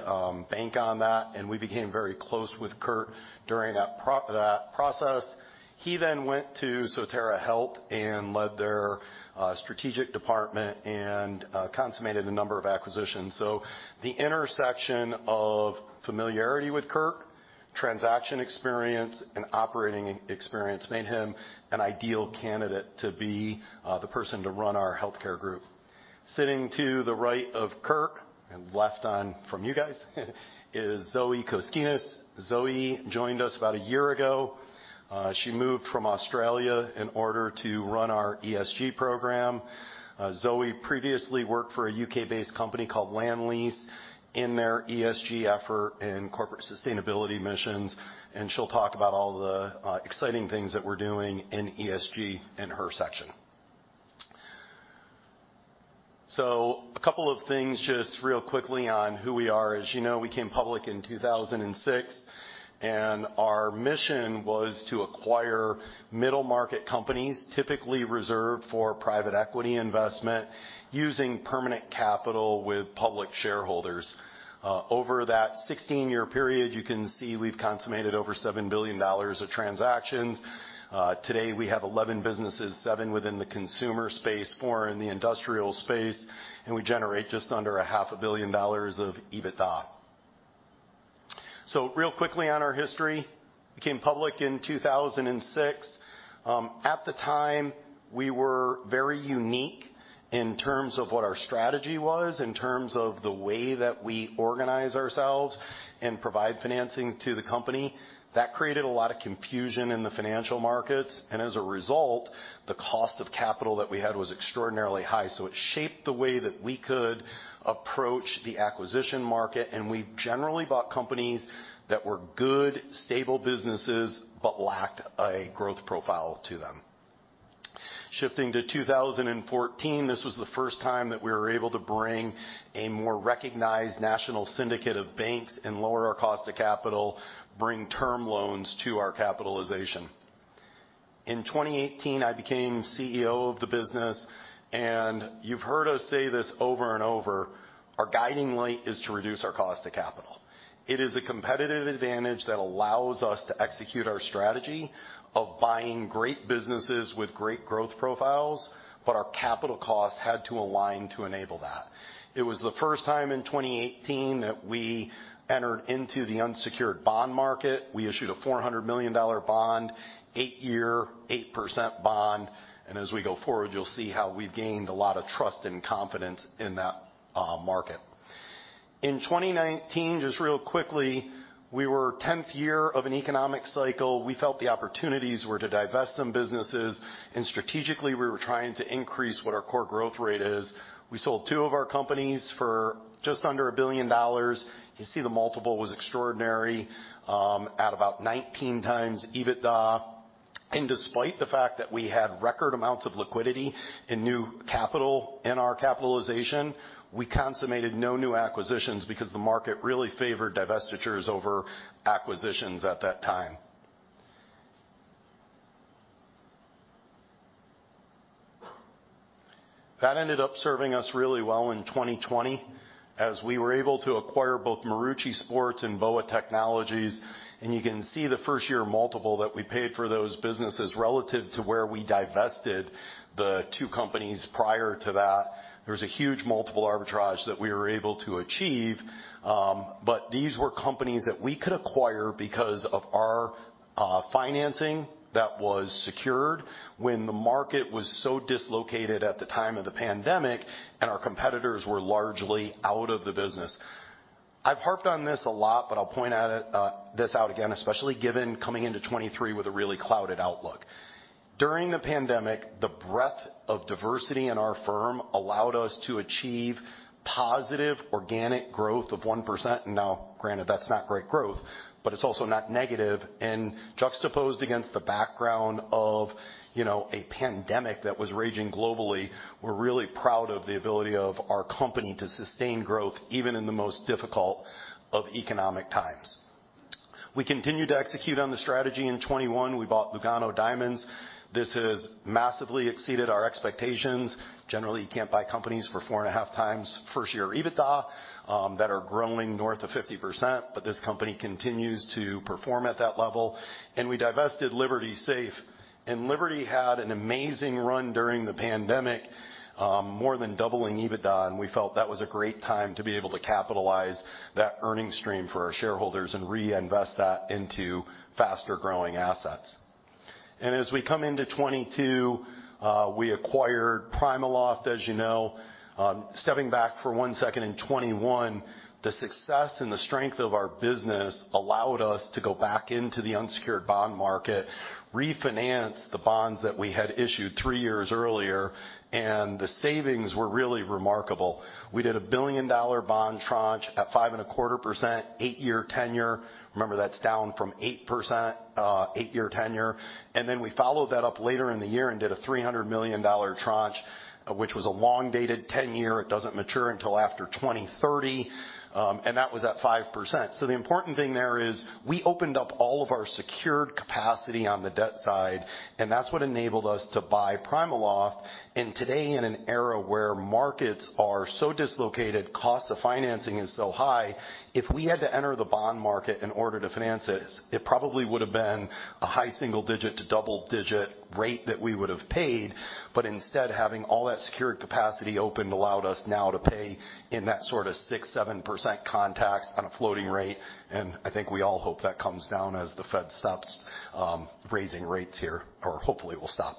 bank on that. We became very close with Kurt during that process. He then went to Sotera Health and led their strategic department and consummated a number of acquisitions. The intersection of familiarity with Kurt, transaction experience, and operating experience made him an ideal candidate to be the person to run our healthcare group. Sitting to the right of Kurt and left on from you guys is Zoe Koskinas. Zoe joined us about a year ago. She moved from Australia in order to run our ESG program. Zoe previously worked for a U.K.-based company called Lendlease in their ESG effort and corporate sustainability missions. She'll talk about all the exciting things that we're doing in ESG in her section. A couple of things just real quickly on who we are. As you know, we came public in 2006, our mission was to acquire middle market companies typically reserved for private equity investment using permanent capital with public shareholders. Over that 16-year period, you can see we've consummated over $7 billion of transactions. Today we have 11 businesses, seven within the consumer space, four in the industrial space, we generate just under a $500 million of EBITDA. Real quickly on our history, we came public in 2006. At the time, we were very unique in terms of what our strategy was, in terms of the way that we organize ourselves and provide financing to the company. That created a lot of confusion in the financial markets. As a result, the cost of capital that we had was extraordinarily high. It shaped the way that we could approach the acquisition market. We generally bought companies that were good, stable businesses, but lacked a growth profile to them. Shifting to 2014, this was the first time that we were able to bring a more recognized national syndicate of banks and lower our cost of capital, bring term loans to our capitalization. In 2018, I became CEO of the business. You've heard us say this over and over. Our guiding light is to reduce our cost of capital. It is a competitive advantage that allows us to execute our strategy of buying great businesses with great growth profiles, but our capital costs had to align to enable that. It was the first time in 2018 that we entered into the unsecured bond market. We issued a $400 million bond, eight-year, 8% bond. As we go forward, you'll see how we've gained a lot of trust and confidence in that market. In 2019, just real quickly, we were 10th year of an economic cycle. Strategically, we were trying to increase what our core growth rate is. We sold two of our companies for just under $1 billion. You see, the multiple was extraordinary, at about 19x EBITDA. Despite the fact that we had record amounts of liquidity and new capital in our capitalization, we consummated no new acquisitions because the market really favored divestitures over acquisitions at that time. That ended up serving us really well in 2020 as we were able to acquire both Marucci Sports and BOA Technologies. You can see the first-year multiple that we paid for those businesses relative to where we divested the two companies prior to that. There was a huge multiple arbitrage that we were able to achieve. These were companies that we could acquire because of our financing that was secured when the market was so dislocated at the time of the pandemic and our competitors were largely out of the business. I've harped on this a lot, but I'll point this out again, especially given coming into 2023 with a really clouded outlook. During the pandemic, the breadth of diversity in our firm allowed us to achieve positive organic growth of 1%. Now, granted, that's not great growth, but it's also not negative. Juxtaposed against the background of, you know, a pandemic that was raging globally, we're really proud of the ability of our company to sustain growth even in the most difficult of economic times. We continued to execute on the strategy. In 2021, we bought Lugano Diamonds. This has massively exceeded our expectations. Generally, you can't buy companies for 4.5x first-year EBITDA, that are growing north of 50%. This company continues to perform at that level. We divested Liberty Safe. Liberty had an amazing run during the pandemic, more than doubling EBITDA. We felt that was a great time to be able to capitalize that earnings stream for our shareholders and reinvest that into faster-growing assets. As we come into 2022, we acquired PrimaLoft, as you know. Stepping back for one second in 2021, the success and the strength of our business allowed us to go back into the unsecured bond market, refinance the bonds that we had issued three years earlier, and the savings were really remarkable. We did a $1 billion bond tranche at 5.25%, eight-year tenure. Remember, that's down from 8%, eight-year tenure. We followed that up later in the year and did a $300 million tranche, which was a long-dated tenure. It doesn't mature until after 2030. That was at 5%. The important thing there is we opened up all of our secured capacity on the debt side, and that's what enabled us to buy PrimaLoft. Today, in an era where markets are so dislocated, cost of financing is so high, if we had to enter the bond market in order to finance it probably would have been a high single-digit to double-digit rate that we would have paid. Instead, having all that secured capacity opened allowed us now to pay in that sort of 6%, 7% contacts on a floating rate. I think we all hope that comes down as the Fed stops, raising rates here, or hopefully will stop.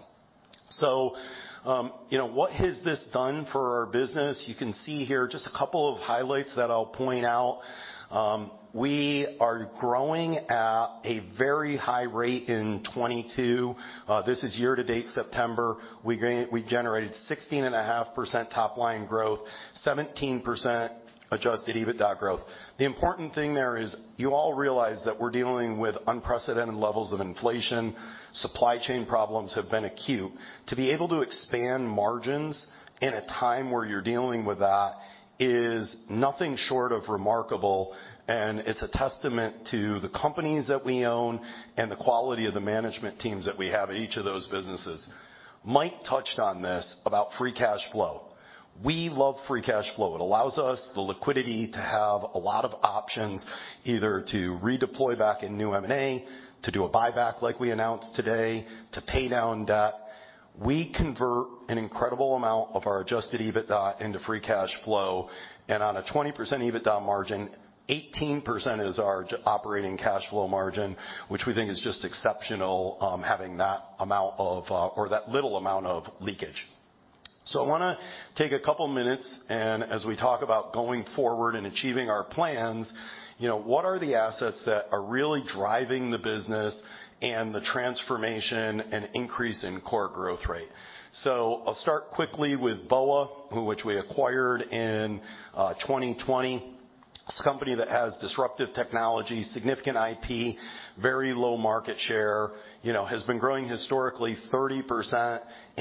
You know, what has this done for our business? You can see here just a couple of highlights that I'll point out. We are growing at a very high rate in 2022. This is year-to-date September. We generated 16.5% top-line growth, 17% adjusted EBITDA growth. The important thing there is you all realize that we're dealing with unprecedented levels of inflation. Supply chain problems have been acute. To be able to expand margins in a time where you're dealing with that is nothing short of remarkable. It's a testament to the companies that we own and the quality of the management teams that we have at each of those businesses. Mike touched on this about free cash flow. We love free cash flow. It allows us the liquidity to have a lot of options, either to redeploy back in new M&A, to do a buyback like we announced today, to pay down debt. We convert an incredible amount of our adjusted EBITDA into free cash flow. On a 20% EBITDA margin, 18% is our operating cash flow margin, which we think is just exceptional, having that amount of, or that little amount of leakage. I want to take a couple of minutes. As we talk about going forward and achieving our plans, you know, what are the assets that are really driving the business and the transformation and increase in core growth rate? I'll start quickly with BOA, which we acquired in 2020. It's a company that has disruptive technology, significant IP, very low market share, you know, has been growing historically 30%.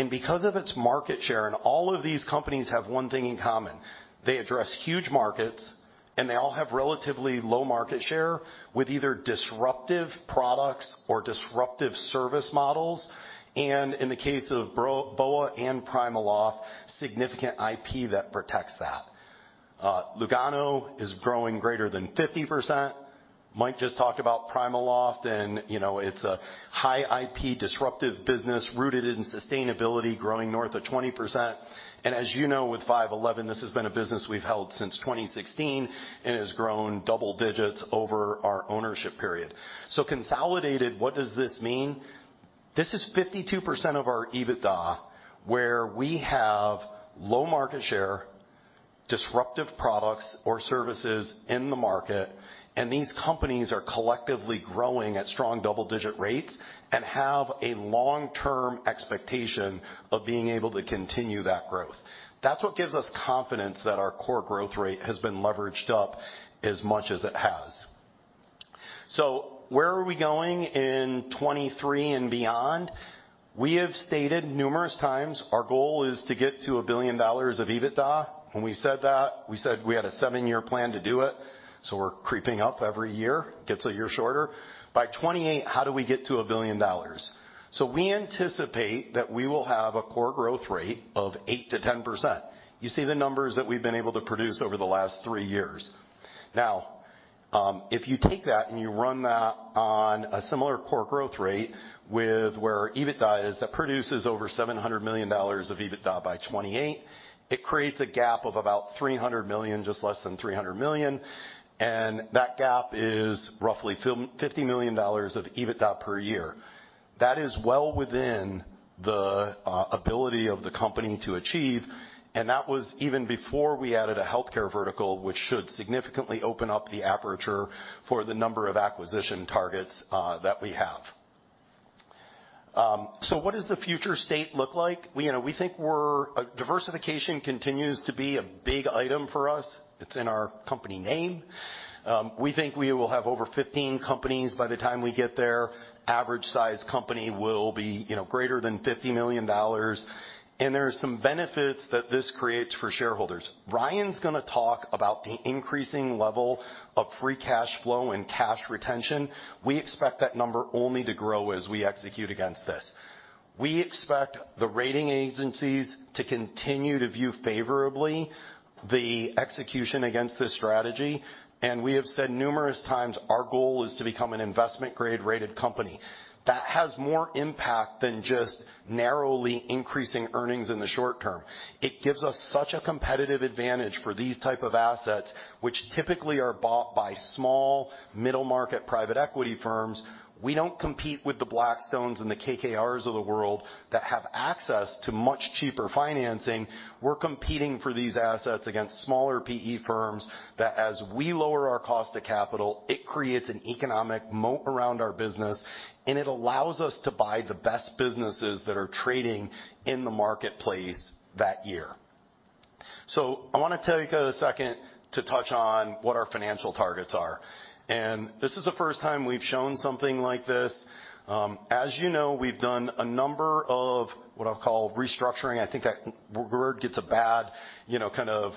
Because of its market share, and all of these companies have one thing in common, they address huge markets, and they all have relatively low market share with either disruptive products or disruptive service models. In the case of BOA and PrimaLoft, significant IP that protects that. Lugano is growing >50%. Mike just talked about PrimaLoft. You know, it's a high IP disruptive business rooted in sustainability, growing >20%. As you know, with 5.11, this has been a business we've held since 2016 and has grown double-digits over our ownership period. Consolidated, what does this mean? This is 52% of our EBITDA where we have low market share, disruptive products or services in the market. These companies are collectively growing at strong double-digit rates and have a long-term expectation of being able to continue that growth. That's what gives us confidence that our core growth rate has been leveraged up as much as it has. Where are we going in 2023 and beyond? We have stated numerous times our goal is to get to $1 billion of EBITDA. When we said that, we said we had a seven-year plan to do it. We're creeping up every year. Gets a year shorter. By 2028, how do we get to $1 billion? We anticipate that we will have a core growth rate of 8%-10%. You see the numbers that we've been able to produce over the last three years. Now, if you take that and you run that on a similar core growth rate with where EBITDA is that produces over $700 million of EBITDA by 2028, it creates a gap of about $300 million, just less than $300 million. That gap is roughly $50 million of EBITDA per year. That is well within the ability of the company to achieve. That was even before we added a healthcare vertical, which should significantly open up the aperture for the number of acquisition targets, that we have. What does the future state look like? We, you know, diversification continues to be a big item for us. It's in our company name. We think we will have over 15 companies by the time we get there. Average-sized company will be, you know, greater than $50 million. There are some benefits that this creates for shareholders. Ryan's going to talk about the increasing level of free cash flow and cash retention. We expect that number only to grow as we execute against this. We expect the rating agencies to continue to view favorably the execution against this strategy. We have said numerous times our goal is to become an investment-grade rated company. That has more impact than just narrowly increasing earnings in the short term. It gives us such a competitive advantage for these types of assets, which typically are bought by small, middle-market private equity firms. We don't compete with the Blackstones and the KKRs of the world that have access to much cheaper financing. We're competing for these assets against smaller PE firms that, as we lower our cost of capital, it creates an economic moat around our business, and it allows us to buy the best businesses that are trading in the marketplace that year. I want to take a second to touch on what our financial targets are. This is the first time we've shown something like this. As you know, we've done a number of what I'll call restructuring. I think that word gets a bad, you know, kind of,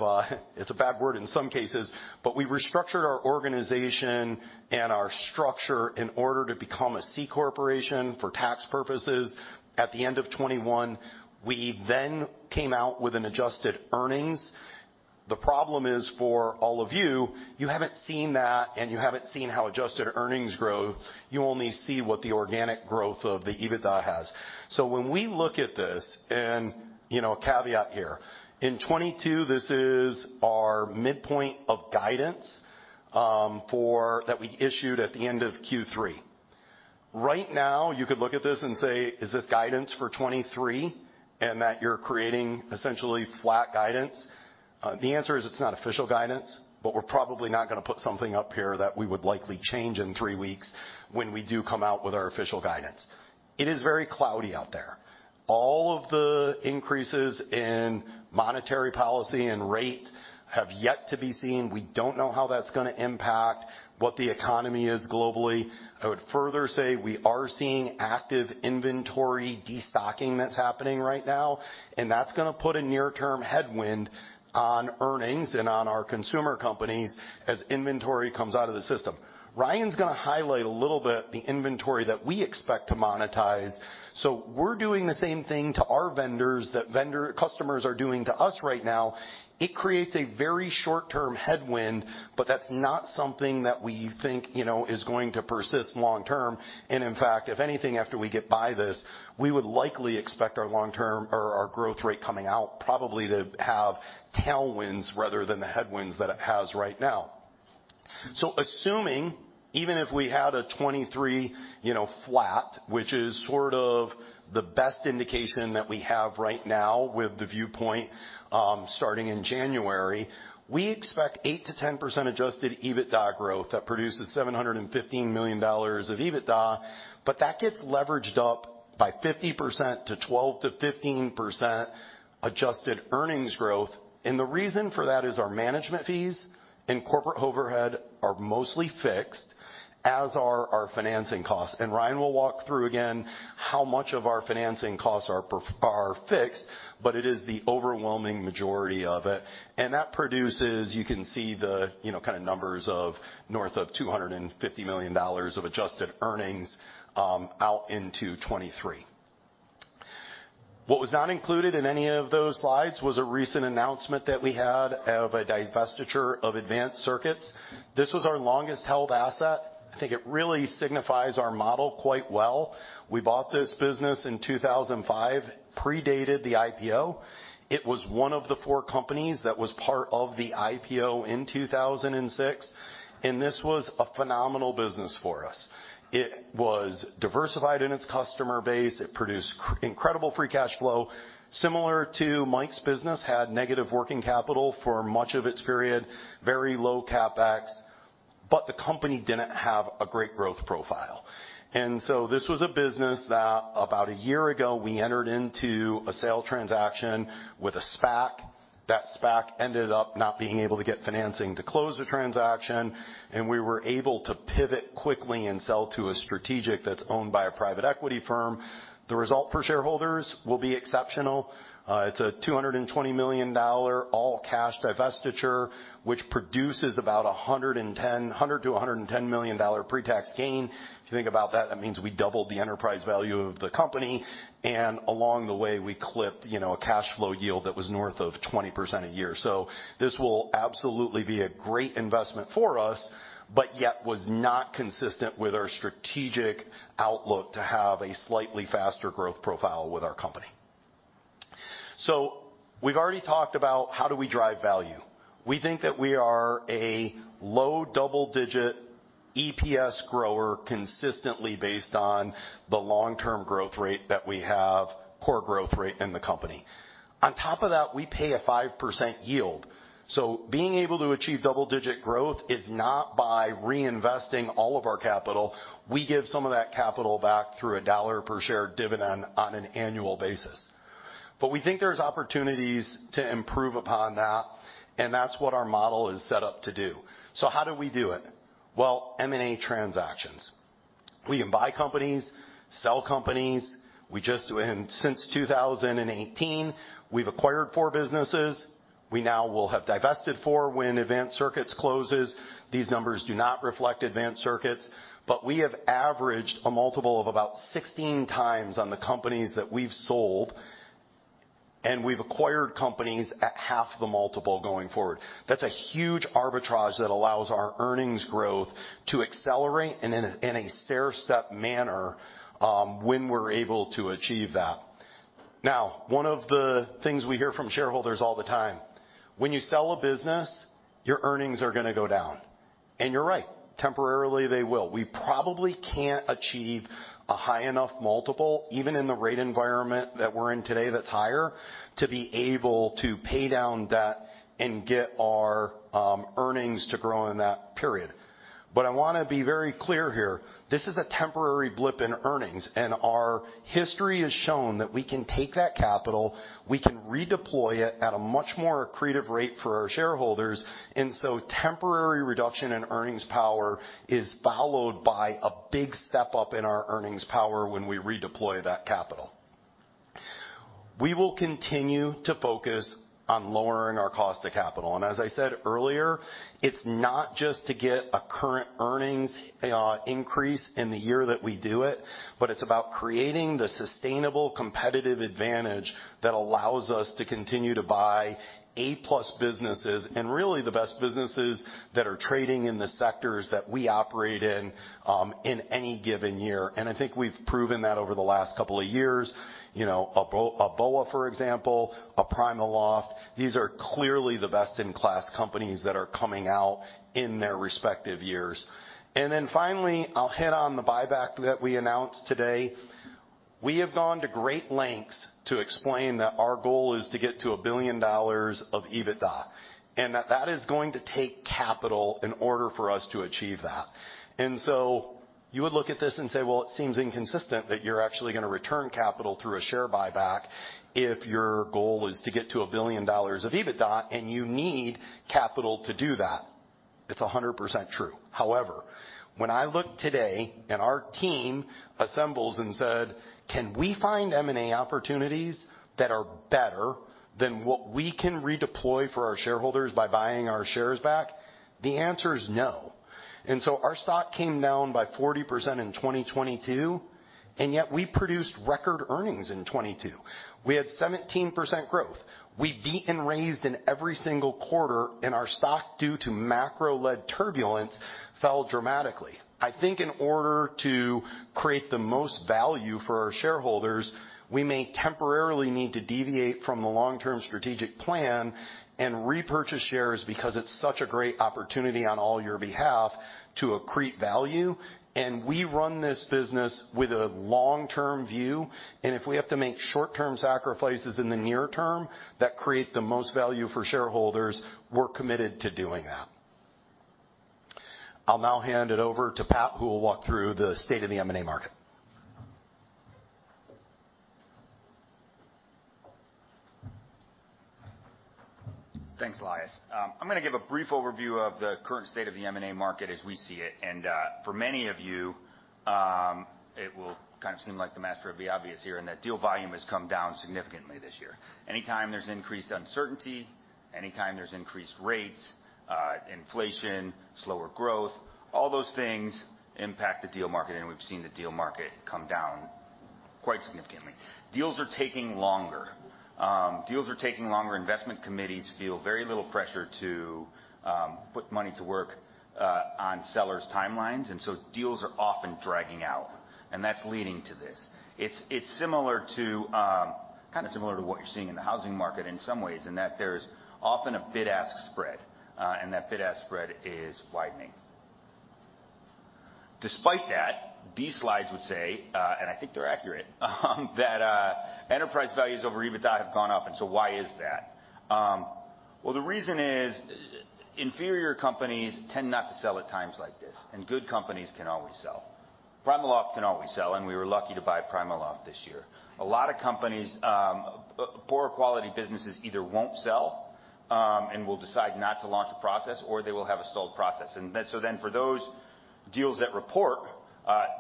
it's a bad word in some cases. We restructured our organization and our structure in order to become a C corporation for tax purposes. At the end of 2021, we came out with an adjusted earnings. The problem is, for all of you haven't seen that. You haven't seen how adjusted earnings grow. You only see what the organic growth of the EBITDA has. When we look at this, and, you know, a caveat here, in 2022, this is our midpoint of guidance, for that we issued at the end of Q3. Right now, you could look at this and say, is this guidance for 2023 that you're creating essentially flat guidance? the answer is it's not official guidance, but we're probably not going to put something up here that we would likely change in three weeks when we do come out with our official guidance. It is very cloudy out there. All of the increases in monetary policy and rate have yet to be seen. We don't know how that's going to impact what the economy is globally. I would further say we are seeing active inventory destocking that's happening right now. That's going to put a near-term headwind on earnings and on our consumer companies as inventory comes out of the system. Ryan's going to highlight a little bit the inventory that we expect to monetize. We're doing the same thing to our vendors that vendor customers are doing to us right now. It creates a very short-term headwind, but that's not something that we think, you know, is going to persist long-term. In fact, if anything, after we get by this, we would likely expect our long-term or our growth rate coming out probably to have tailwinds rather than the headwinds that it has right now. Assuming even if we had a 2023, you know, flat, which is sort of the best indication that we have right now with the viewpoint, starting in January, we expect 8%-10% adjusted EBITDA growth that produces $715 million of EBITDA. That gets leveraged up by 50% to 12%-15% adjusted earnings growth. The reason for that is our management fees and corporate overhead are mostly fixed, as are our financing costs. Ryan will walk through again how much of our financing costs are fixed, but it is the overwhelming majority of it. That produces, you can see the, you know, kind of numbers of north of $250 million of adjusted earnings, out into 2023. What was not included in any of those slides was a recent announcement that we had of a divestiture of Advanced Circuits. This was our longest-held asset. I think it really signifies our model quite well. We bought this business in 2005, predated the IPO. It was one of the four companies that was part of the IPO in 2006. This was a phenomenal business for us. It was diversified in its customer base. It produced incredible free cash flow, similar to Mike's business, had negative working capital for much of its period, very low CapEx, the company didn't have a great growth profile. This was a business that about a year ago, we entered into a sale transaction with a SPAC. That SPAC ended up not being able to get financing to close the transaction. We were able to pivot quickly and sell to a strategic that's owned by a private equity firm. The result for shareholders will be exceptional. It's a $220 million all-cash divestiture, which produces about $110 million-$110 million pretax gain. If you think about that means we doubled the enterprise value of the company. Along the way, we clipped, you know, a cash flow yield that was north of 20% a year. This will absolutely be a great investment for us, but yet was not consistent with our strategic outlook to have a slightly faster growth profile with our company. We've already talked about how do we drive value. We think that we are a low double-digit EPS grower consistently based on the long-term growth rate that we have, core growth rate in the company. On top of that, we pay a 5% yield. Being able to achieve double-digit growth is not by reinvesting all of our capital. We give some of that capital back through a $1 per share dividend on an annual basis. We think there's opportunities to improve upon that. That's what our model is set up to do. How do we do it? Well, M&A transactions. We can buy companies, sell companies. We just, and since 2018, we've acquired four businesses. We now will have divested four when Advanced Circuits closes. These numbers do not reflect Advanced Circuits, but we have averaged a multiple of about 16 times on the companies that we've sold. We've acquired companies at half the multiple going forward. That's a huge arbitrage that allows our earnings growth to accelerate in a stair-step manner, when we're able to achieve that. Now, one of the things we hear from shareholders all the time, when you sell a business, your earnings are going to go down. You're right, temporarily they will. We probably can't achieve a high enough multiple, even in the rate environment that we're in today that's higher, to be able to pay down debt and get our earnings to grow in that period. I want to be very clear here, this is a temporary blip in earnings. Our history has shown that we can take that capital. We can redeploy it at a much more accretive rate for our shareholders. Temporary reduction in earnings power is followed by a big step up in our earnings power when we redeploy that capital. We will continue to focus on lowering our cost of capital. As I said earlier, it's not just to get a current earnings increase in the year that we do it, but it's about creating the sustainable competitive advantage that allows us to continue to buy A-plus businesses and really the best businesses that are trading in the sectors that we operate in any given year. I think we've proven that over the last couple of years, you know, a BOA, for example, a PrimaLoft, these are clearly the best-in-class companies that are coming out in their respective years. Finally, I'll hit on the buyback that we announced today. We have gone to great lengths to explain that our goal is to get to $1 billion of EBITDA and that that is going to take capital in order for us to achieve that. You would look at this and say, well, it seems inconsistent that you're actually going to return capital through a share buyback if your goal is to get to $1 billion of EBITDA and you need capital to do that. It's 100% true. However, when I looked today and our team assembles and said, can we find M&A opportunities that are better than what we can redeploy for our shareholders by buying our shares back? The answer is no. Our stock came down by 40% in 2022, and yet we produced record earnings in 2022. We had 17% growth. We beat and raised in every single quarter, our stock due to macro-led turbulence fell dramatically. I think in order to create the most value for our shareholders, we may temporarily need to deviate from the long-term strategic plan and repurchase shares because it's such a great opportunity on all your behalf to accrete value. We run this business with a long-term view. If we have to make short-term sacrifices in the near term that create the most value for shareholders, we're committed to doing that. I'll now hand it over to Pat who will walk through the state of the M&A market. Thanks, Elias. I'm going to give a brief overview of the current state of the M&A market as we see it. For many of you, it will kind of seem like the master of the obvious here in that deal volume has come down significantly this year. Anytime there's increased uncertainty, anytime there's increased rates, inflation, slower growth, all those things impact the deal market. We've seen the deal market come down quite significantly. Deals are taking longer. Investment committees feel very little pressure to put money to work on sellers' timelines. Deals are often dragging out. That's leading to this. It's similar to, kind of similar to what you're seeing in the housing market in some ways in that there's often a bid-ask spread, and that bid-ask spread is widening. Despite that, these slides would say, and I think they're accurate, that enterprise values over EBITDA have gone up. Why is that? Well, the reason is, inferior companies tend not to sell at times like this. Good companies can always sell. PrimaLoft can always sell. We were lucky to buy PrimaLoft this year. A lot of companies, poorer quality businesses either won't sell, and will decide not to launch a process, or they will have a stalled process. For those deals that report,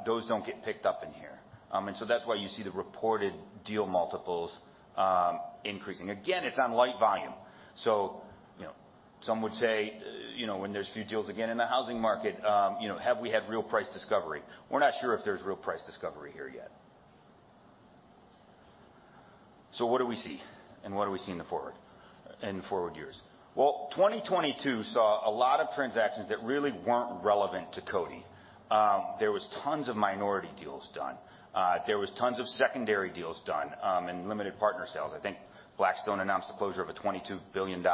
those don't get picked up in here. That's why you see the reported deal multiples increasing. Again, it's on light volume. You know, some would say, you know, when there's a few deals again in the housing market, you know, have we had real price discovery? We're not sure if there's real price discovery here yet. What do we see? What have we seen in the forward, in the forward years? 2022 saw a lot of transactions that really weren't relevant to CODI. There was tons of minority deals done. There was tons of secondary deals done, and limited partner sales. I think Blackstone announced the closure of a $22 billion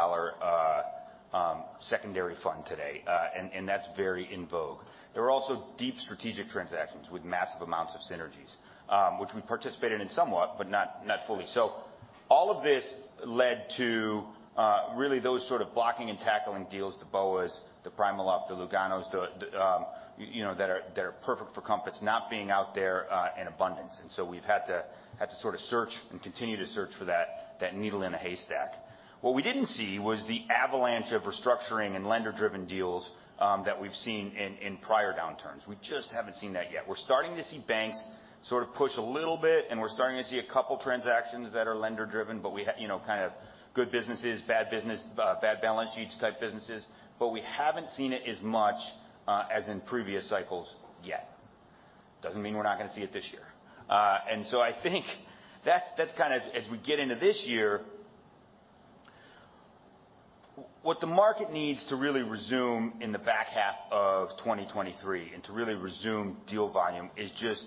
secondary fund today. That's very in vogue. There were also deep strategic transactions with massive amounts of synergies, which we participated in somewhat, but not fully. All of this led to, really those sort of blocking and tackling deals, the BOAs, the PrimaLoft, the Luganos, you know, that are perfect for Compass not being out there, in abundance. We've had to sort of search and continue to search for that needle in the haystack. What we didn't see was the avalanche of restructuring and lender-driven deals, that we've seen in prior downturns. We just haven't seen that yet. We're starting to see banks sort of push a little bit, and we're starting to see a couple transactions that are lender-driven, but we have, you know, kind of good businesses, bad business, bad balance sheets type businesses. We haven't seen it as much, as in previous cycles yet. Doesn't mean we're not going to see it this year. I think that's kind of as we get into this year, what the market needs to really resume in the back half of 2023 and to really resume deal volume is just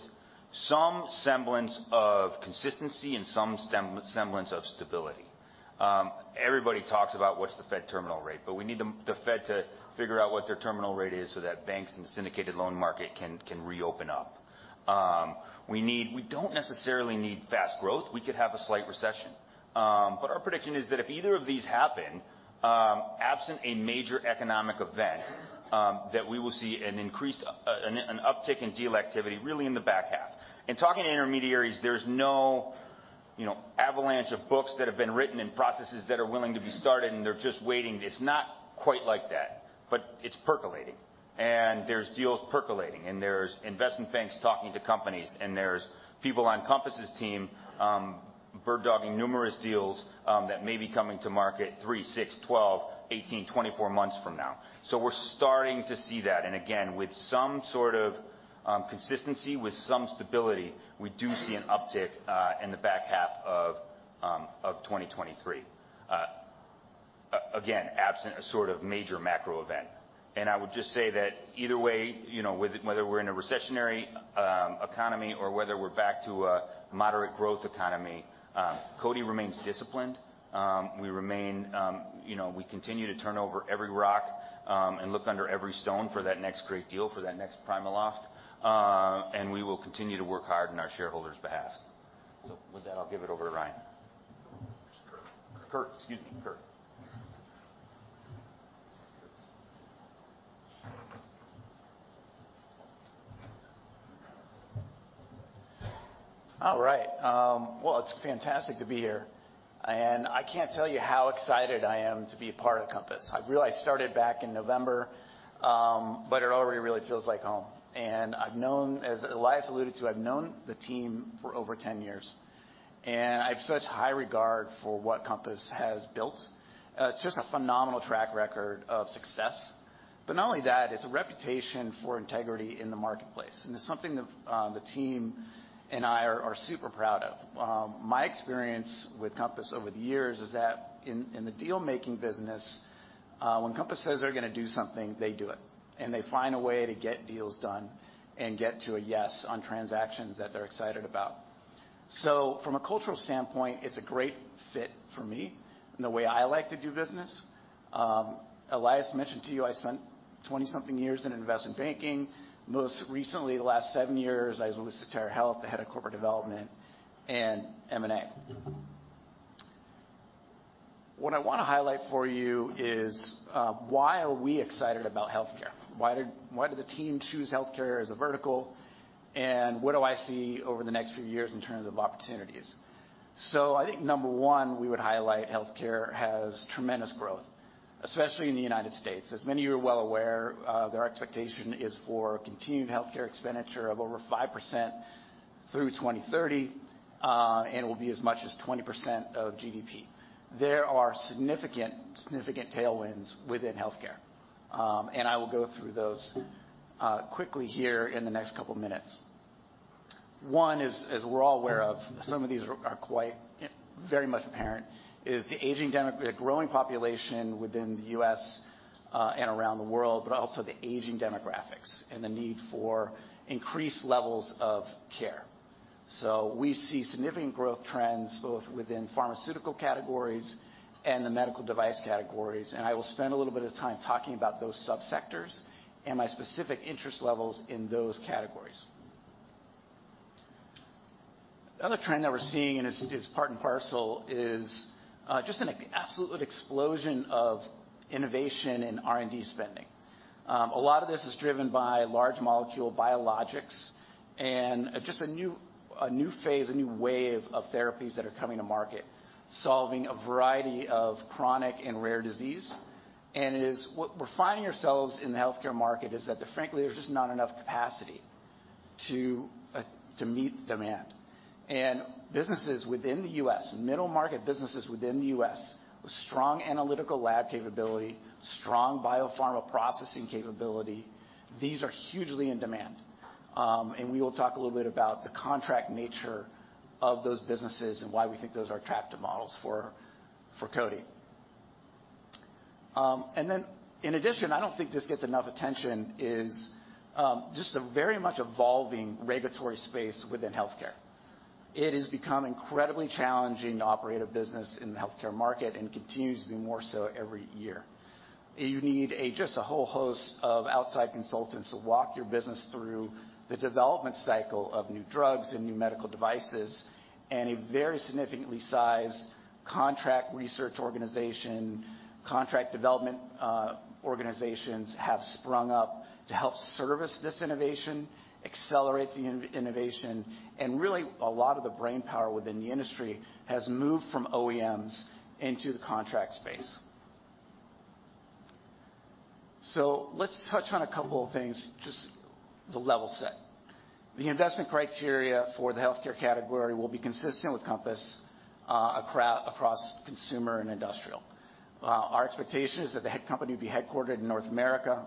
some semblance of consistency and some semblance of stability. Everybody talks about what's the Fed terminal rate, but we need the Fed to figure out what their terminal rate is so that banks and the syndicated loan market can reopen up. We don't necessarily need fast growth. We could have a slight recession. Our prediction is that if either of these happen, absent a major economic event, that we will see an increased, an uptick in deal activity really in the back half. Talking to intermediaries, there's no, you know, avalanche of books that have been written and processes that are willing to be started, and they're just waiting. It's not quite like that, but it's percolating. There's deals percolating, and there's investment banks talking to companies, and there's people on Compass's team, bird-dogging numerous deals, that may be coming to market 3, 6, 12, 18, 24 months from now. We're starting to see that. Again, with some sort of consistency, with some stability, we do see an uptick in the back half of 2023, again, absent a sort of major macro event. I would just say that either way, you know, with whether we're in a recessionary economy or whether we're back to a moderate growth economy, CODI remains disciplined. We remain, you know, we continue to turn over every rock and look under every stone for that next great deal, for that next PrimaLoft. We will continue to work hard on our shareholders' behalf. With that, I'll give it over to Ryan. Kurt, excuse me, Kurt. All right. Well, it's fantastic to be here. I can't tell you how excited I am to be a part of Compass. I realized I started back in November, but it already really feels like home. I've known, as Elias alluded to, I've known the team for over 10 years. I have such high regard for what Compass has built. It's just a phenomenal track record of success. Not only that, it's a reputation for integrity in the marketplace. It's something that the team and I are super proud of. My experience with Compass over the years is that in the dealmaking business, when Compass says they're going to do something, they do it. They find a way to get deals done and get to a yes on transactions that they're excited about. From a cultural standpoint, it's a great fit for me and the way I like to do business. Elias mentioned to you, I spent 20-something years in investment banking. Most recently, the last seven years, I was with Sotera Health, the head of corporate development and M&A. What I want to highlight for you is, why are we excited about healthcare? Why did the team choose healthcare as a vertical? What do I see over the next few years in terms of opportunities? I think number one, we would highlight healthcare has tremendous growth, especially in the United States. As many of you are well aware, their expectation is for continued healthcare expenditure of over 5% through 2030, and will be as much as 20% of GDP. There are significant tailwinds within healthcare. I will go through those, quickly here in the next couple of minutes. One is, as we're all aware of, some of these are quite very much apparent, is the aging demographic, the growing population within the U.S., and around the world, but also the aging demographics and the need for increased levels of care. We see significant growth trends both within pharmaceutical categories and the medical device categories. I will spend a little bit of time talking about those subsectors and my specific interest levels in those categories. The other trend that we're seeing, and it's part and parcel, is just an absolute explosion of innovation and R&D spending. A lot of this is driven by large molecule biologics and just a new phase, a new wave of therapies that are coming to market, solving a variety of chronic and rare disease. What we're finding ourselves in the healthcare market is that, frankly, there's just not enough capacity to meet demand. Businesses within the U.S., middle market businesses within the U.S., with strong analytical lab capability, strong biopharma processing capability, these are hugely in demand. We will talk a little bit about the contract nature of those businesses and why we think those are attractive models for CODI. In addition, I don't think this gets enough attention is just a very much evolving regulatory space within healthcare. It is becoming incredibly challenging to operate a business in the healthcare market and continues to be more so every year. You need a just a whole host of outside consultants to walk your business through the development cycle of new drugs and new medical devices. A very significantly sized contract research organization, contract development organizations have sprung up to help service this innovation, accelerate the innovation. Really, a lot of the brainpower within the industry has moved from OEMs into the contract space. Let's touch on a couple of things, just the level set. The investment criteria for the healthcare category will be consistent with Compass, across consumer and industrial. Our expectation is that the company would be headquartered in North America,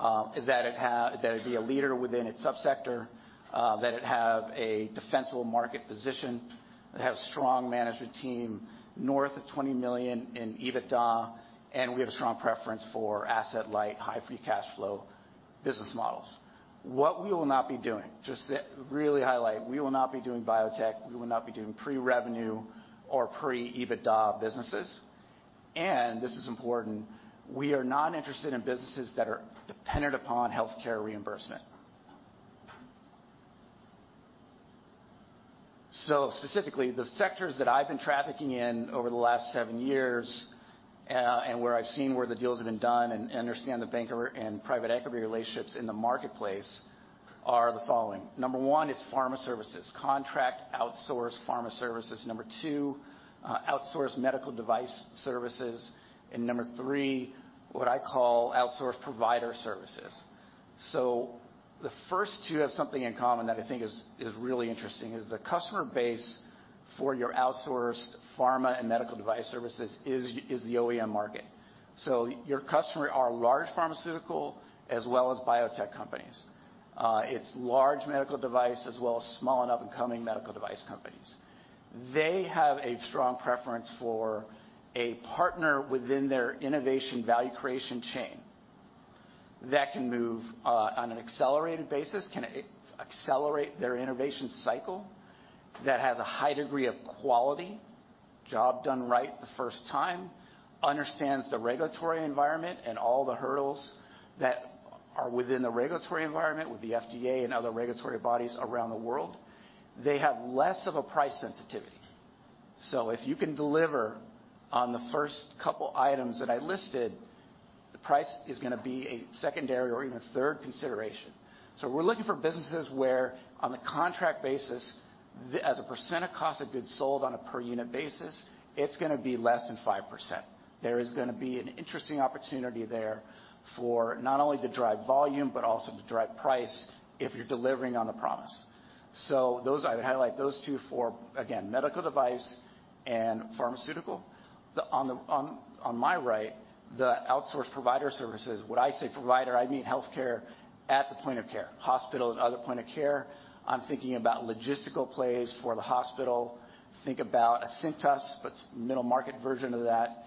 that it have, that it'd be a leader within its subsector, that it have a defensible market position, that have a strong management team north of $20 million in EBITDA. We have a strong preference for asset-light, high-free cash flow business models. What we will not be doing, just to really highlight, we will not be doing biotech. We will not be doing pre-revenue or pre-EBITDA businesses. This is important. We are not interested in businesses that are dependent upon healthcare reimbursement. Specifically, the sectors that I've been trafficking in over the last seven years, and where I've seen where the deals have been done and understand the banker and private equity relationships in the marketplace are the following. Number 1 is pharma services, contract outsource pharma services. Number 2, outsource medical device services. Number three, what I call outsource provider services. The first two have something in common that I think is really interesting is the customer base for your outsourced pharma and medical device services is the OEM market. Your customer are large pharmaceutical as well as biotech companies. It's large medical device as well as small and up-and-coming medical device companies. They have a strong preference for a partner within their innovation value creation chain that can move, on an accelerated basis, can accelerate their innovation cycle that has a high degree of quality, job done right the first time, understands the regulatory environment and all the hurdles that are within the regulatory environment with the FDA and other regulatory bodies around the world. They have less of a price sensitivity. If you can deliver on the first couple items that I listed, the price is going to be a secondary or even third consideration. We're looking for businesses where on the contract basis, as a % of cost of goods sold on a per unit basis, it's going to be less than 5%. There is going to be an interesting opportunity there for not only to drive volume, but also to drive price if you're delivering on the promise. Those I would highlight those two for, again, medical device and pharmaceutical. On my right, the outsource provider services, when I say provider, I mean healthcare at the point of care, hospital and other point of care. I'm thinking about logistical plays for the hospital. Think about a Cintas, but it's a middle market version of that,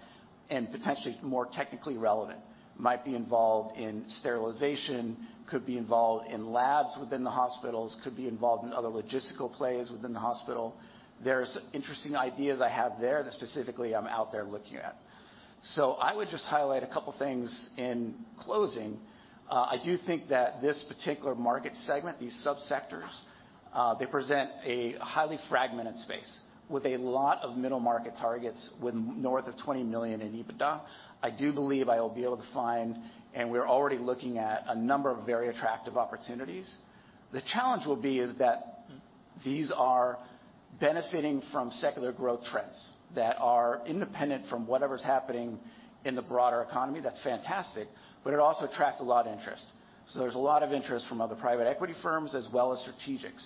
and potentially more technically relevant, might be involved in sterilization, could be involved in labs within the hospitals, could be involved in other logistical plays within the hospital. There's interesting ideas I have there that specifically I'm out there looking at. I would just highlight a couple of things in closing. I do think that this particular market segment, these subsectors, they present a highly fragmented space with a lot of middle market targets with north of $20 million in EBITDA. I do believe I will be able to find, and we're already looking at a number of very attractive opportunities. The challenge will be is that these are benefiting from secular growth trends that are independent from whatever's happening in the broader economy. That's fantastic. It also attracts a lot of interest. There's a lot of interest from other private equity firms as well as strategics.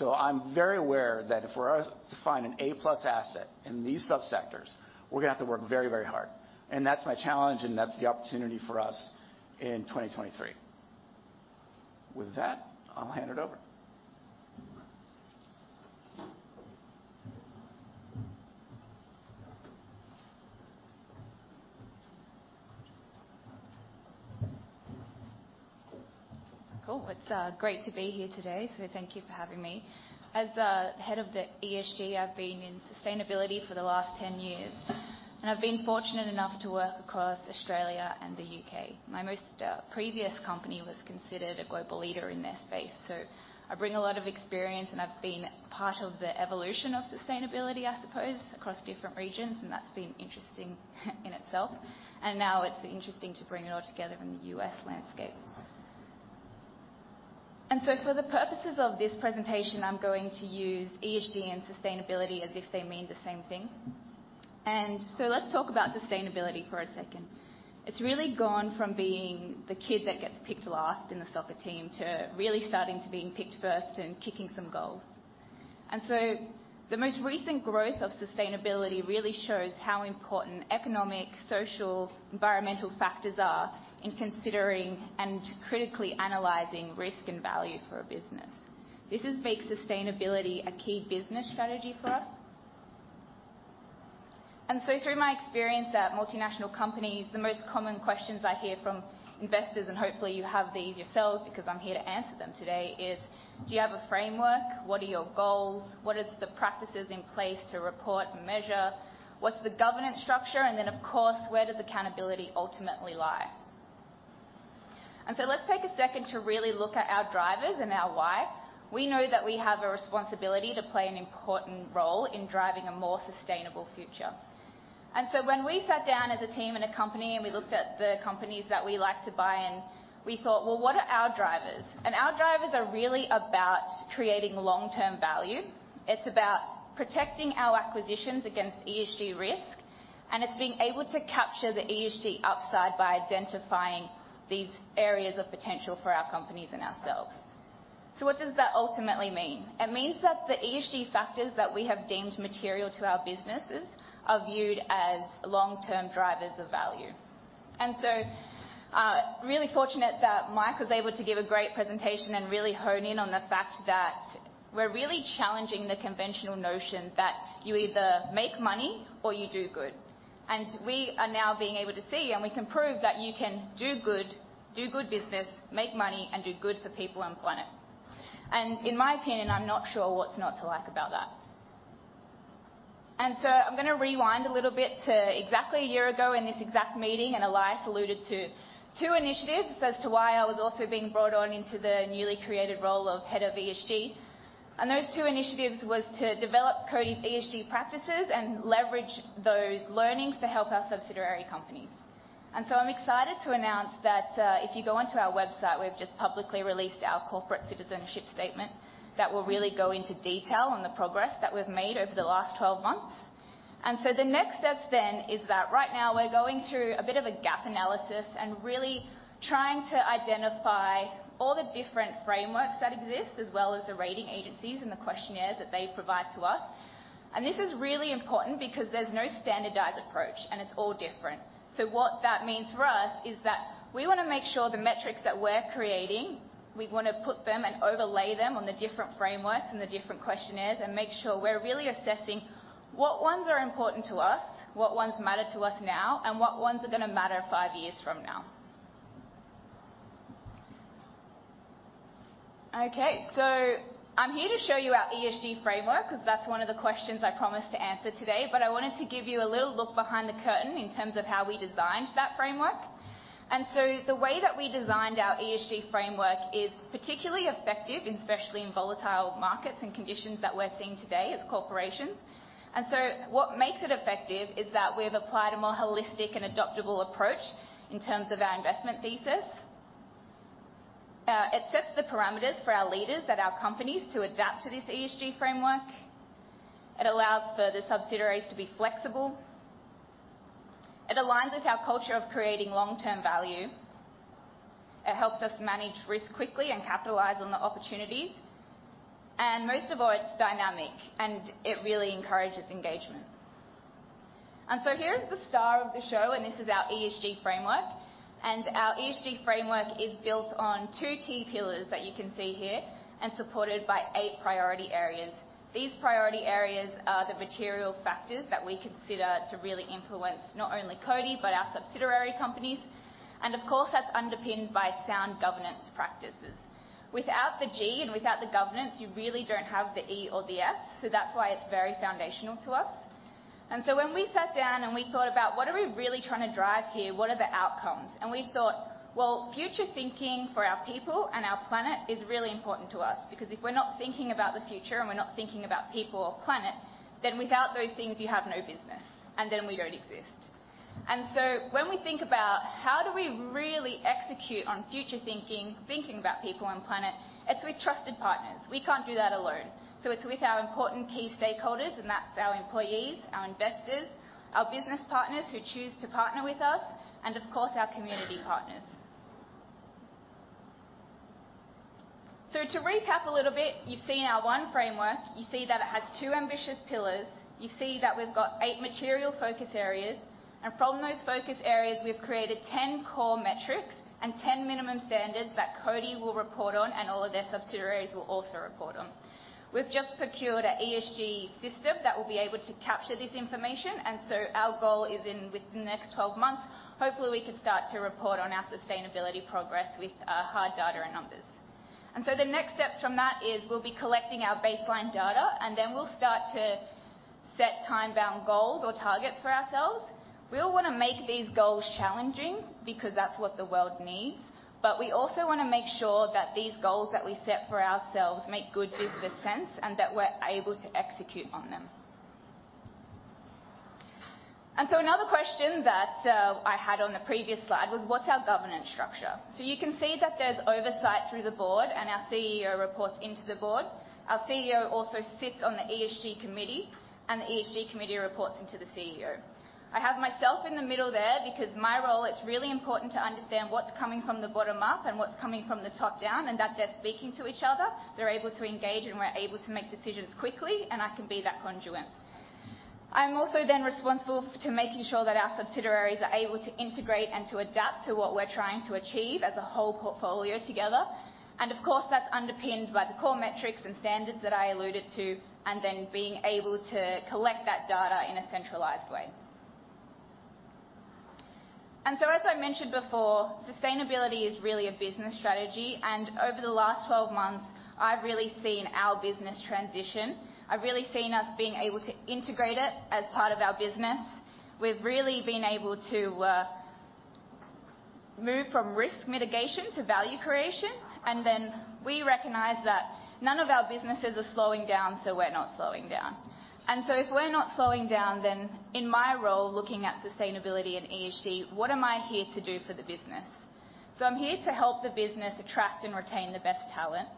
I'm very aware that if we're to find an A-plus asset in these subsectors, we're going to have to work very, very hard. That's my challenge. That's the opportunity for us in 2023. With that, I'll hand it over. Cool. It's great to be here today. Thank you for having me. As the head of the ESG, I've been in sustainability for the last 10 years. I've been fortunate enough to work across Australia and the U.K. My most previous company was considered a global leader in their space. I bring a lot of experience and I've been part of the evolution of sustainability, I suppose, across different regions. That's been interesting in itself. Now it's interesting to bring it all together in the U.S. landscape. For the purposes of this presentation, I'm going to use ESG and sustainability as if they mean the same thing. Let's talk about sustainability for a second. It's really gone from being the kid that gets picked last in the soccer team to really starting to being picked first and kicking some goals. The most recent growth of sustainability really shows how important economic, social, environmental factors are in considering and critically analyzing risk and value for a business. This has made sustainability a key business strategy for us. Through my experience at multinational companies, the most common questions I hear from investors, and hopefully you have these yourselves because I'm here to answer them today, is, "Do you have a framework? What are your goals? What are the practices in place to report and measure? What's the governance structure? Then, of course, where does accountability ultimately lie?" Let's take a second to really look at our drivers and our why. We know that we have a responsibility to play an important role in driving a more sustainable future. When we sat down as a team and a company and we looked at the companies that we like to buy in, we thought, "Well, what are our drivers?" Our drivers are really about creating long-term value. It's about protecting our acquisitions against ESG risk. It's being able to capture the ESG upside by identifying these areas of potential for our companies and ourselves. What does that ultimately mean? It means that the ESG factors that we have deemed material to our businesses are viewed as long-term drivers of value. Really fortunate that Mike was able to give a great presentation and really hone in on the fact that we're really challenging the conventional notion that you either make money or you do good. We are now being able to see and we can prove that you can do good, do good business, make money, and do good for people and planet. In my opinion, I'm not sure what's not to like about that. I'm going to rewind a little bit to exactly a year ago in this exact meeting, and Elias alluded to two initiatives as to why I was also being brought on into the newly created role of head of ESG. Those two initiatives were to develop CODI's ESG practices and leverage those learnings to help our subsidiary companies. I'm excited to announce that if you go onto our website, we've just publicly released our corporate citizenship statement that will really go into detail on the progress that we've made over the last 12 months. The next steps then is that right now we're going through a bit of a gap analysis and really trying to identify all the different frameworks that exist, as well as the rating agencies and the questionnaires that they provide to us. This is really important because there's no standardized approach, and it's all different. What that means for us is that we want to make sure the metrics that we're creating, we want to put them and overlay them on the different frameworks and the different questionnaires and make sure we're really assessing what ones are important to us, what ones matter to us now, and what ones are going to matter five years from now. I'm here to show you our ESG framework because that's one of the questions I promised to answer today, but I wanted to give you a little look behind the curtain in terms of how we designed that framework. The way that we designed our ESG framework is particularly effective, especially in volatile markets and conditions that we're seeing today as corporations. What makes it effective is that we've applied a more holistic and adoptable approach in terms of our investment thesis. It sets the parameters for our leaders at our companies to adapt to this ESG framework. It allows for the subsidiaries to be flexible. It aligns with our culture of creating long-term value. It helps us manage risk quickly and capitalize on the opportunities. Most of all, it's dynamic, and it really encourages engagement. Here is the star of the show, and this is our ESG framework. Our ESG framework is built on two key pillars that you can see here and supported by eight priority areas. These priority areas are the material factors that we consider to really influence not only CODI, but our subsidiary companies. Of course, that's underpinned by sound governance practices. Without the G and without the governance, you really don't have the E or the S. That's why it's very foundational to us. When we sat down and we thought about what are we really trying to drive here, what are the outcomes? We thought, well, future thinking for our people and our planet is really important to us because if we're not thinking about the future and we're not thinking about people or planet, then without those things, you have no business, and then we don't exist. When we think about how do we really execute on future thinking about people and planet, it's with trusted partners. We can't do that alone. It's with our important key stakeholders, and that's our employees, our investors, our business partners who choose to partner with us, and of course, our community partners. To recap a little bit, you've seen our one framework. You see that it has two ambitious pillars. You see that we've got eight material focus areas. From those focus areas, we've created 10 core metrics and 10 minimum standards that CODI will report on and all of their subsidiaries will also report on. We've just procured an ESG system that will be able to capture this information. Our goal is in within the next 12 months, hopefully we could start to report on our sustainability progress with hard data and numbers. The next steps from that is we'll be collecting our baseline data, and then we'll start to set time-bound goals or targets for ourselves. We'll want to make these goals challenging because that's what the world needs. We also want to make sure that these goals that we set for ourselves make good business sense and that we're able to execute on them. Another question that I had on the previous slide was what's our governance structure? You can see that there's oversight through the board, and our CEO reports into the board. Our CEO also sits on the ESG committee, and the ESG committee reports into the CEO. I have myself in the middle there because my role, it's really important to understand what's coming from the bottom up and what's coming from the top down, and that they're speaking to each other, they're able to engage, and we're able to make decisions quickly, and I can be that conduit. I'm also responsible for making sure that our subsidiaries are able to integrate and to adapt to what we're trying to achieve as a whole portfolio together. Of course, that's underpinned by the core metrics and standards that I alluded to, and then being able to collect that data in a centralized way. As I mentioned before, sustainability is really a business strategy. Over the last 12 months, I've really seen our business transition. I've really seen us being able to integrate it as part of our business. We've really been able to move from risk mitigation to value creation. We recognize that none of our businesses are slowing down, so we're not slowing down. If we're not slowing down, then in my role, looking at sustainability and ESG, what am I here to do for the business? I'm here to help the business attract and retain the best talent.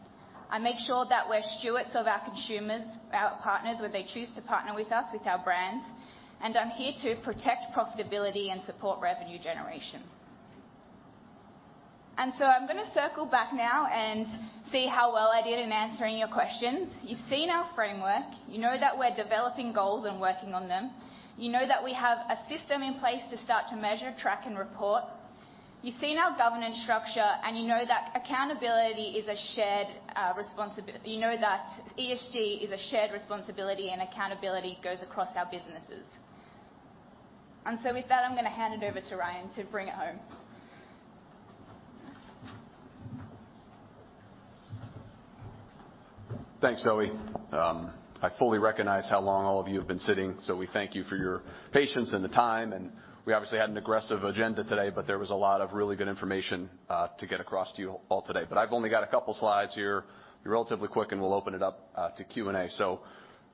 I make sure that we're stewards of our consumers, our partners, whether they choose to partner with us, with our brands. I'm here to protect profitability and support revenue generation. I'm going to circle back now and see how well I did in answering your questions. You've seen our framework. You know that we're developing goals and working on them. You know that we have a system in place to start to measure, track, and report. You've seen our governance structure, and you know that accountability is a shared responsibility. You know that ESG is a shared responsibility, and accountability goes across our businesses. With that, I'm going to hand it over to Ryan to bring it home. Thanks Zoe, I fully recognize how long have you been sitting. We thank you for your patience and the time. We obviously had an aggressive agenda today, but there was a lot of really good information to get across to you all today. I've only got a couple of slides here. Be relatively quick, and we'll open it up to Q&A.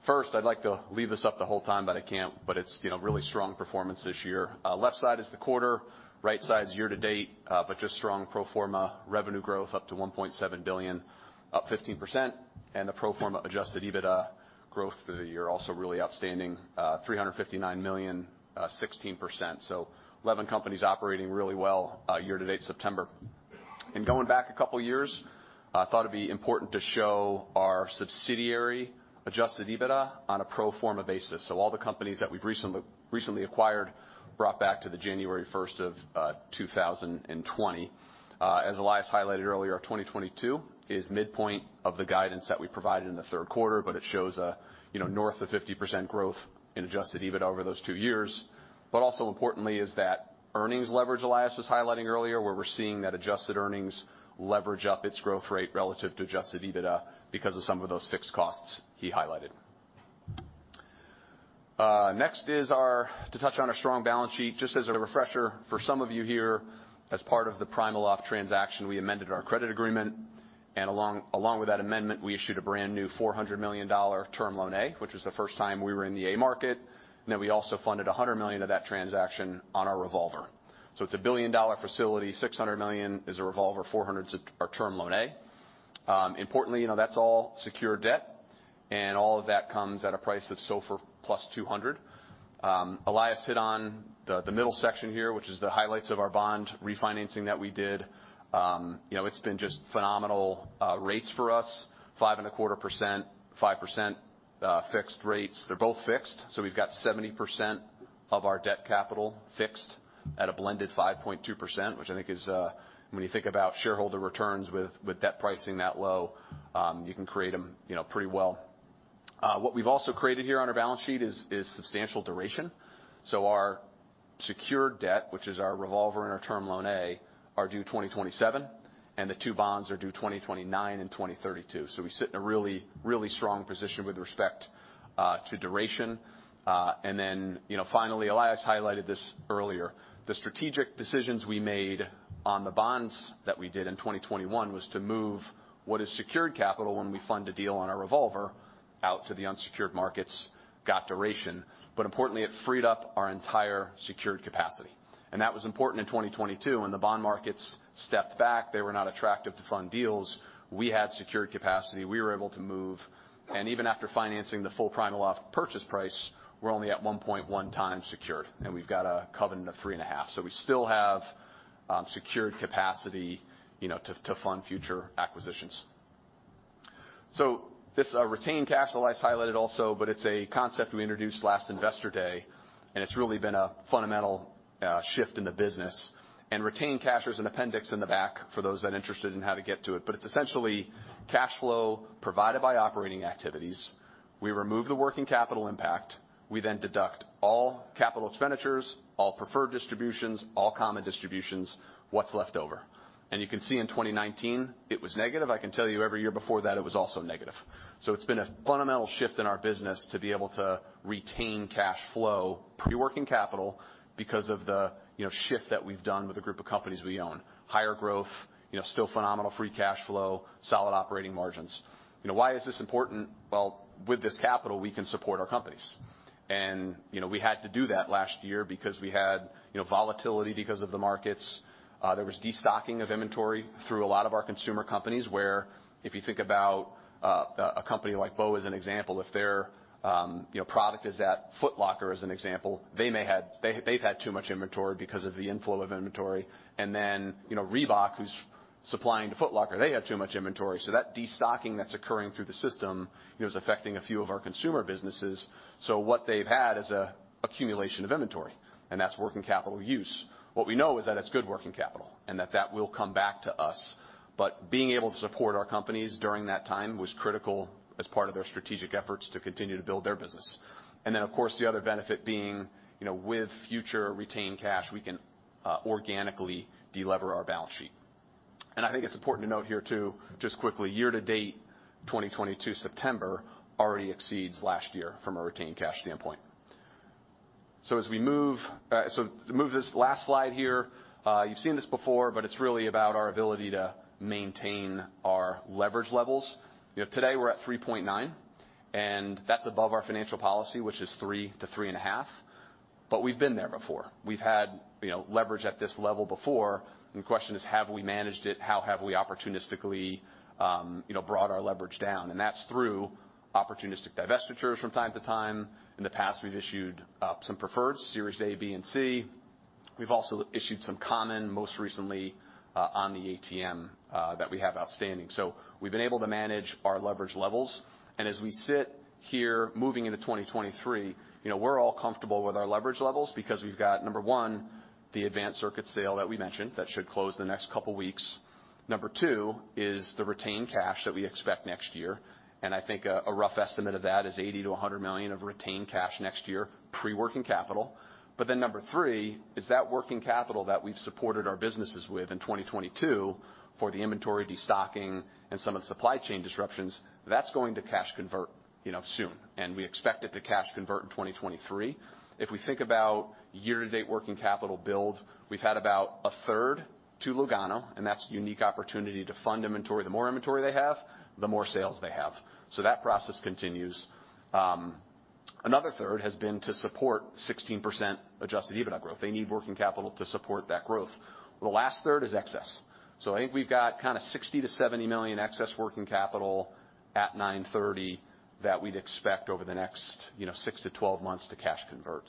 First, I'd like to leave this up the whole time, but I can't. It's really strong performance this year. Left side is the quarter. Right side is year-to-date, but just strong pro forma revenue growth up to $1.7 billion, up 15%. The pro forma adjusted EBITDA growth for the year also really outstanding, $359 million, 16%. 11 companies operating really well year-to-date, September. In going back a couple of years, I thought it'd be important to show our subsidiary adjusted EBITDA on a pro forma basis. All the companies that we've recently acquired brought back to the January 1st of 2020. As Elias highlighted earlier, our 2022 is midpoint of the guidance that we provided in the third quarter, it shows north of 50% growth in adjusted EBITDA over those two years. Also importantly is that earnings leverage, Elias was highlighting earlier, where we're seeing that adjusted earnings leverage up its growth rate relative to adjusted EBITDA because of some of those fixed costs he highlighted. Next is to touch on our strong balance sheet. Just as a refresher for some of you here, as part of the PrimaLoft transaction, we amended our credit agreement. Along with that amendment, we issued a brand new $400 million Term Loan A, which was the first time we were in the A market. We also funded $100 million of that transaction on our revolver. It's a $1 billion facility, $600 million is a revolver, $400 million our Term Loan A. Importantly, that's all secured debt. All of that comes at a price of SOFR + 200. Elias hit on the middle section here, which is the highlights of our bond refinancing that we did. It's been just phenomenal rates for us, 5.25%, 5% fixed rates. They're both fixed. We've got 70% of our debt capital fixed at a blended 5.2%, which I think is when you think about shareholder returns with debt pricing that low, you can create them pretty well. What we've also created here on our balance sheet is substantial duration. Our secured debt, which is our revolver and our Term Loan A, are due 2027. The two bonds are due 2029 and 2032. We sit in a really, really strong position with respect to duration. Finally, Elias highlighted this earlier, the strategic decisions we made on the bonds that we did in 2021 was to move what is secured capital when we fund a deal on our revolver out to the unsecured markets, got duration. Importantly, it freed up our entire secured capacity. That was important in 2022. When the bond markets stepped back, they were not attractive to fund deals. We had secured capacity. We were able to move. Even after financing the full PrimaLoft purchase price, we're only at 1.1x secured. We've got a covenant of 3.5. We still have secured capacity to fund future acquisitions. This retained cash Elias highlighted also, but it's a concept we introduced last investor day. It's really been a fundamental shift in the business. Retained cash is an appendix in the back for those that are interested in how to get to it. It's essentially cash flow provided by operating activities. We remove the working capital impact. We then deduct all capital expenditures, all preferred distributions, all common distributions, what's left over. You can see in 2019, it was negative. I can tell you every year before that, it was also negative. It's been a fundamental shift in our business to be able to retain cash flow, pre-working capital, because of the shift that we've done with a group of companies we own. Higher growth, still phenomenal free cash flow, solid operating margins. Why is this important? Well, with this capital, we can support our companies. We had to do that last year because we had volatility because of the markets. There was destocking of inventory through a lot of our consumer companies where if you think about a company like BOA as an example, if their product is at Foot Locker as an example, they've had too much inventory because of the inflow of inventory. Reebok, who's supplying to Foot Locker, they had too much inventory. That destocking that's occurring through the system is affecting a few of our consumer businesses. What they've had is an accumulation of inventory. That's working capital use. What we know is that it's good working capital and that that will come back to us. Being able to support our companies during that time was critical as part of their strategic efforts to continue to build their business. Of course, the other benefit being with future retained cash, we can organically delever our balance sheet. I think it's important to note here too, just quickly, year-to-date, 2022 September already exceeds last year from a retained cash standpoint. As we move this last slide here. You've seen this before, but it's really about our ability to maintain our leverage levels. Today, we're at 3.9, and that's above our financial policy, which is 3 to 3.5. We've been there before. We've had leverage at this level before. The question is, have we managed it? How have we opportunistically brought our leverage down? That's through opportunistic divestitures from time to time. In the past, we've issued some preferreds, Series A, B, and C. We've also issued some common, most recently on the ATM that we have outstanding. We've been able to manage our leverage levels. As we sit here moving into 2023, we're all comfortable with our leverage levels because we've got, number one, the Advanced Circuits sale that we mentioned that should close the next couple of weeks. Number two is the retained cash that we expect next year. I think a rough estimate of that is $80 million-$100 million of retained cash next year, pre-working capital. Number three is that working capital that we've supported our businesses with in 2022 for the inventory, destocking, and some of the supply chain disruptions, that's going to cash convert soon. We expect it to cash convert in 2023. We think about year-to-date working capital build, we've had about a third to Lugano, and that's a unique opportunity to fund inventory. The more inventory they have, the more sales they have. That process continues. Another third has been to support 16% adjusted EBITDA growth. They need working capital to support that growth. The last third is excess. I think we've got kind of $60 million-$70 million excess working capital at 9/30 that we'd expect over the next 6-12 months to cash convert.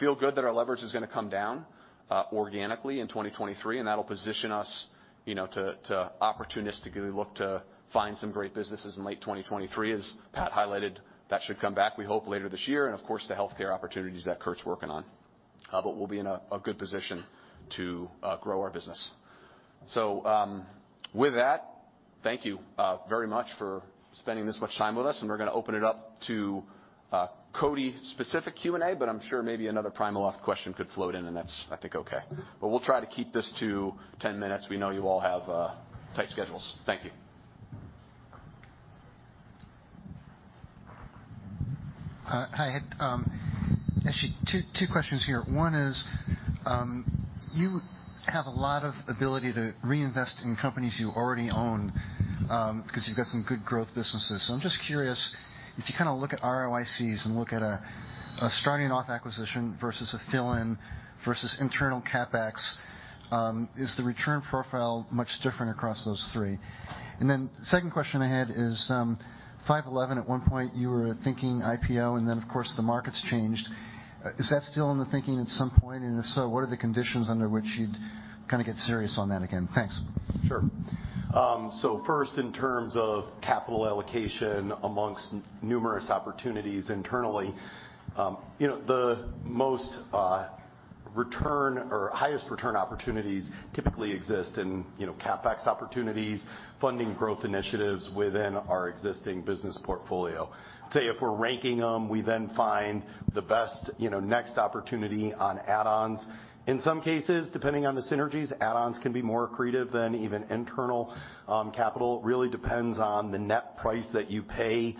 Feel good that our leverage is going to come down organically in 2023, and that'll position us to opportunistically look to find some great businesses in late 2023. As Pat highlighted, that should come back, we hope, later this year. Of course, the healthcare opportunities that Kurt's working on. We'll be in a good position to grow our business. With that, thank you very much for spending this much time with us. We're going to open it up to CODI-specific Q&A, I'm sure maybe another PrimaLoft question could float in, and that's, I think, okay. We'll try to keep this to 10 minutes. We know you all have tight schedules. Thank you. Hi, Hit. Actually, two questions here. One is, you have a lot of ability to reinvest in companies you already own because you've got some good growth businesses. I'm just curious, if you kind of look at ROIC and look at a starting-off acquisition versus a fill-in versus internal CapEx, is the return profile much different across those three? Second question I had is, 5.11, at one point, you were thinking IPO, and then, of course, the markets changed. Is that still in the thinking at some point? If so, what are the conditions under which you'd kind of get serious on that again? Thanks. First, in terms of capital allocation amongst numerous opportunities internally, the most return or highest return opportunities typically exist in CapEx opportunities, funding growth initiatives within our existing business portfolio. Today, if we're ranking them, we then find the best next opportunity on add-ons. In some cases, depending on the synergies, add-ons can be more creative than even internal capital. It really depends on the net price that you pay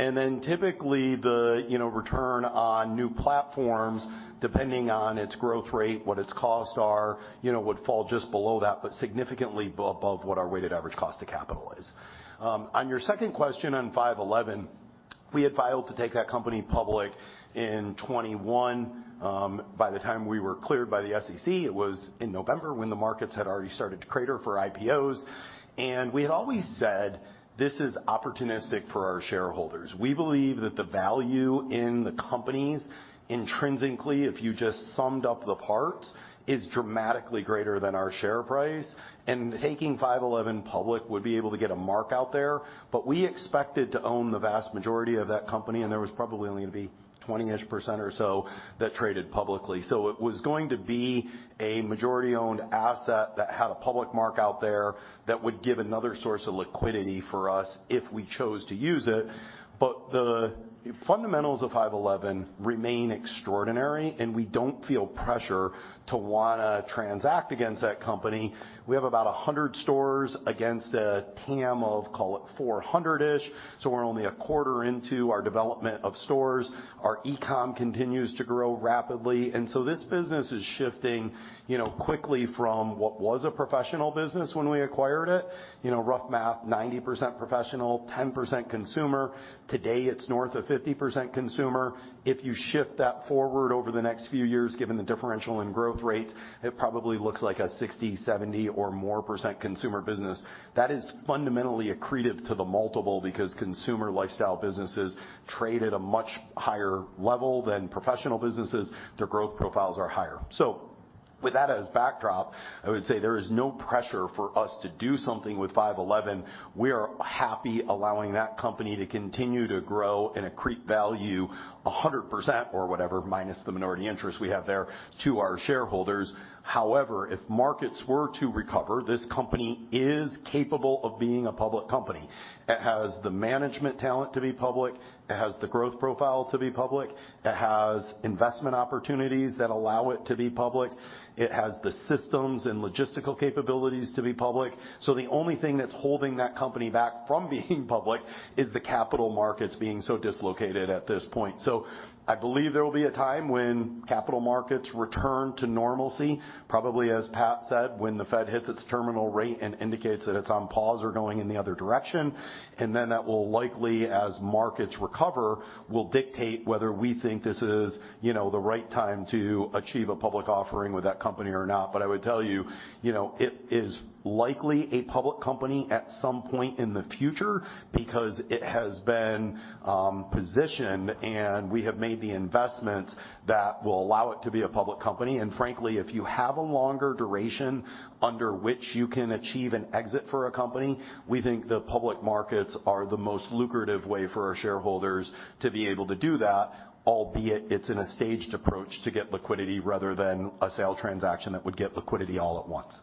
post-synergy. Typically, the return on new platforms, depending on its growth rate, what its costs are, would fall just below that, but significantly above what our weighted average cost of capital is. On your second question on 5.11, we had filed to take that company public in 2021. By the time we were cleared by the SEC, it was in November when the markets had already started to crater for IPOs. We had always said, this is opportunistic for our shareholders. We believe that the value in the companies, intrinsically, if you just summed up the parts, is dramatically greater than our share price. Taking 5.11 public would be able to get a mark out there. We expected to own the vast majority of that company, and there was probably only going to be 20%-ish or so that traded publicly. It was going to be a majority-owned asset that had a public mark out there that would give another source of liquidity for us if we chose to use it. The fundamentals of 5.11 remain extraordinary, and we don't feel pressure to want to transact against that company. We have about 100 stores against a TAM of, call it, 400-ish. We're only a quarter into our development of stores. Our e-com continues to grow rapidly. This business is shifting quickly from what was a professional business when we acquired it. Rough math, 90% professional, 10% consumer. Today, it's north of 50% consumer. If you shift that forward over the next few years, given the differential in growth rates, it probably looks like a 60%, 70%, or more consumer business. That is fundamentally accretive to the multiple because consumer lifestyle businesses trade at a much higher level than professional businesses. Their growth profiles are higher. With that as backdrop, I would say there is no pressure for us to do something with 5.11. We are happy allowing that company to continue to grow and accrete value 100% or whatever, minus the minority interest we have there to our shareholders. However, if markets were to recover, this company is capable of being a public company. It has the management talent to be public. It has the growth profile to be public. It has investment opportunities that allow it to be public. It has the systems and logistical capabilities to be public. The only thing that's holding that company back from being public is the capital markets being so dislocated at this point. I believe there will be a time when capital markets return to normalcy, probably as Pat said, when the Fed hits its terminal rate and indicates that it's on pause or going in the other direction. That will likely, as markets recover, will dictate whether we think this is the right time to achieve a public offering with that company or not. I would tell you, it is likely a public company at some point in the future because it has been positioned, and we have made the investment that will allow it to be a public company. Frankly, if you have a longer duration under which you can achieve an exit for a company, we think the public markets are the most lucrative way for our shareholders to be able to do that, albeit it's in a staged approach to get liquidity rather than a sale transaction that would get liquidity all at once.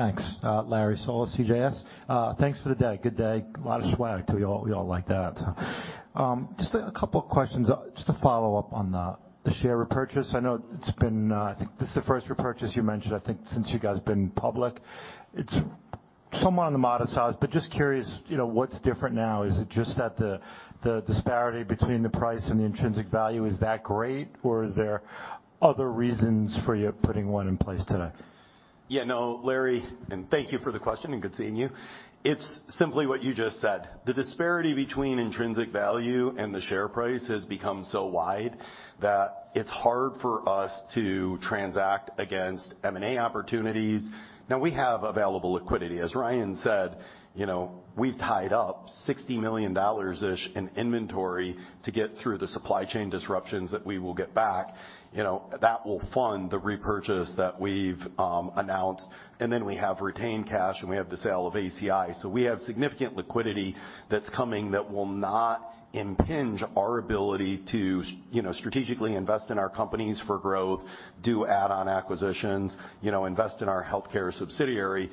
Thanks, Larry Solow, CJS. Thanks for the day. Good day. A lot of swag. We all like that. Just a couple of questions, just to follow up on the share repurchase. I know it's been I think this is the first repurchase you mentioned, I think, since you guys have been public. It's somewhat on the modest side, but just curious, what's different now? Is it just that the disparity between the price and the intrinsic value is that great, or is there other reasons for you putting one in place today? Yeah, no, Larry, thank you for the question, and good seeing you. It's simply what you just said. The disparity between intrinsic value and the share price has become so wide that it's hard for us to transact against M&A opportunities. We have available liquidity. As Ryan said, we've tied up $60 million-ish in inventory to get through the supply chain disruptions that we will get back. That will fund the repurchase that we've announced. We have retained cash, and we have the sale of ACI. We have significant liquidity that's coming that will not impinge our ability to strategically invest in our companies for growth, do add-on acquisitions, invest in our healthcare subsidiary.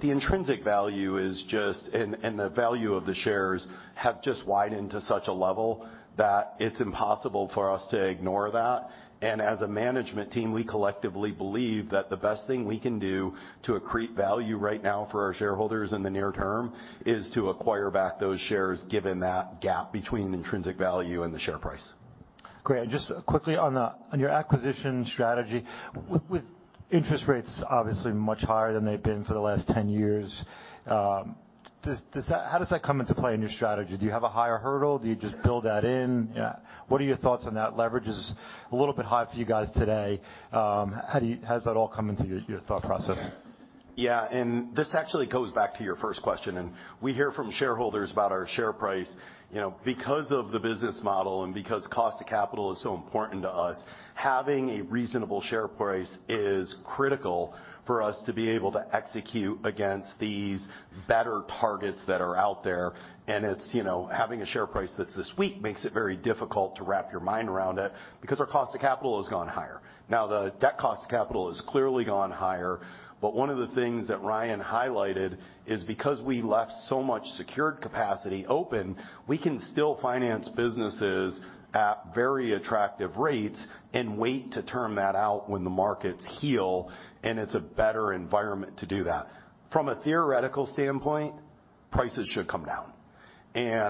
The intrinsic value is just and the value of the shares have just widened to such a level that it's impossible for us to ignore that. As a management team, we collectively believe that the best thing we can do to accrete value right now for our shareholders in the near term is to acquire back those shares given that gap between intrinsic value and the share price. Great. Just quickly on your acquisition strategy, with interest rates obviously much higher than they've been for the last 10 years, how does that come into play in your strategy? Do you have a higher hurdle? Do you just build that in? What are your thoughts on that? Leverage is a little bit high for you guys today. How does that all come into your thought process? Yeah, this actually goes back to your first question. We hear from shareholders about our share price. Because of the business model and because cost of capital is so important to us, having a reasonable share price is critical for us to be able to execute against these better targets that are out there. Having a share price that's this weak makes it very difficult to wrap your mind around it because our cost of capital has gone higher. Now, the debt cost of capital has clearly gone higher. One of the things that Ryan highlighted is because we left so much secured capacity open, we can still finance businesses at very attractive rates and wait to term that out when the markets heal. It's a better environment to do that. From a theoretical standpoint, prices should come down.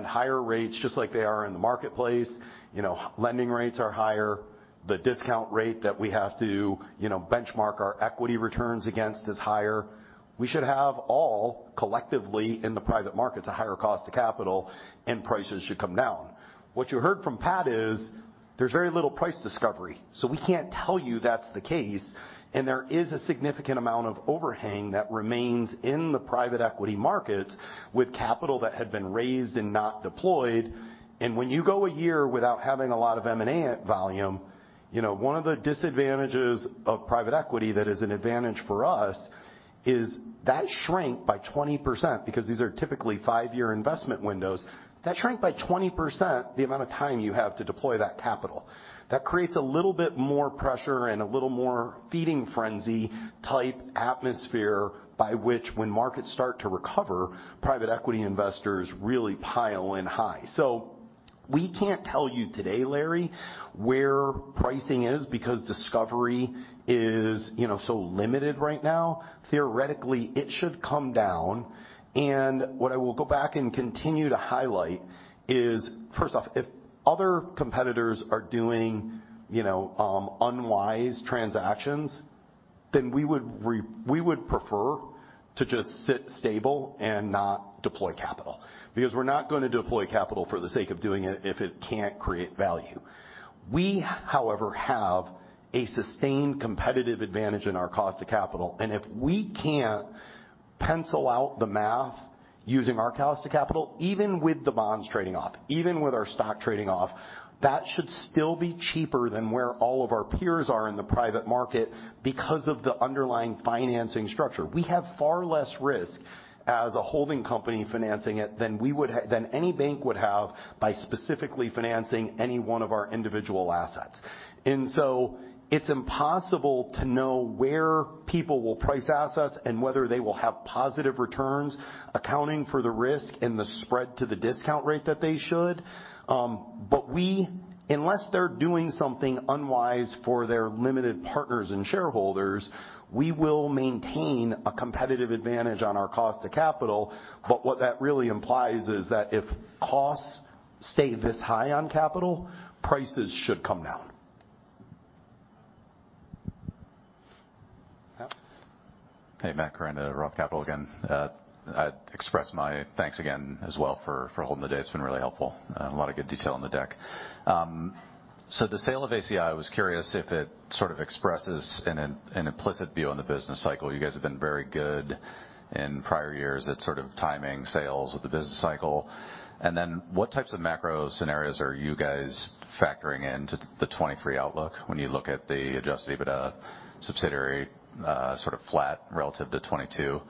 Higher rates, just like they are in the marketplace, lending rates are higher. The discount rate that we have to benchmark our equity returns against is higher. We should have all collectively in the private market to higher cost of capital, and prices should come down. What you heard from Pat is there's very little price discovery. We can't tell you that's the case. There is a significant amount of overhang that remains in the private equity markets with capital that had been raised and not deployed. When you go a year without having a lot of M&A volume, one of the disadvantages of private equity that is an advantage for us is that shrank by 20% because these are typically five-year investment windows. That shrank by 20% the amount of time you have to deploy that capital. That creates a little bit more pressure and a little more feeding frenzy type atmosphere by which when markets start to recover, private equity investors really pile in high. We can't tell you today, Larry, where pricing is because discovery is so limited right now. Theoretically, it should come down. What I will go back and continue to highlight is, first off, if other competitors are doing unwise transactions, then we would prefer to just sit stable and not deploy capital because we're not going to deploy capital for the sake of doing it if it can't create value. We, however, have a sustained competitive advantage in our cost of capital. If we can't pencil out the math using our cost of capital, even with the bonds trading off, even with our stock trading off, that should still be cheaper than where all of our peers are in the private market because of the underlying financing structure. We have far less risk as a holding company financing it than any bank would have by specifically financing any one of our individual assets. It's impossible to know where people will price assets and whether they will have positive returns, accounting for the risk and the spread to the discount rate that they should. Unless they're doing something unwise for their limited partners and shareholders, we will maintain a competitive advantage on our cost of capital. What that really implies is that if costs stay this high on capital, prices should come down. Hey, Matt Koranda to Roth Capital again. I'd express my thanks again as well for holding the day. It's been really helpful. A lot of good detail in the deck. The sale of ACI, I was curious if it sort of expresses an implicit view on the business cycle. You guys have been very good in prior years at sort of timing sales with the business cycle. What types of macro scenarios are you guys factoring into the 2023 outlook when you look at the adjusted EBITDA subsidiary sort of flat relative to 2022?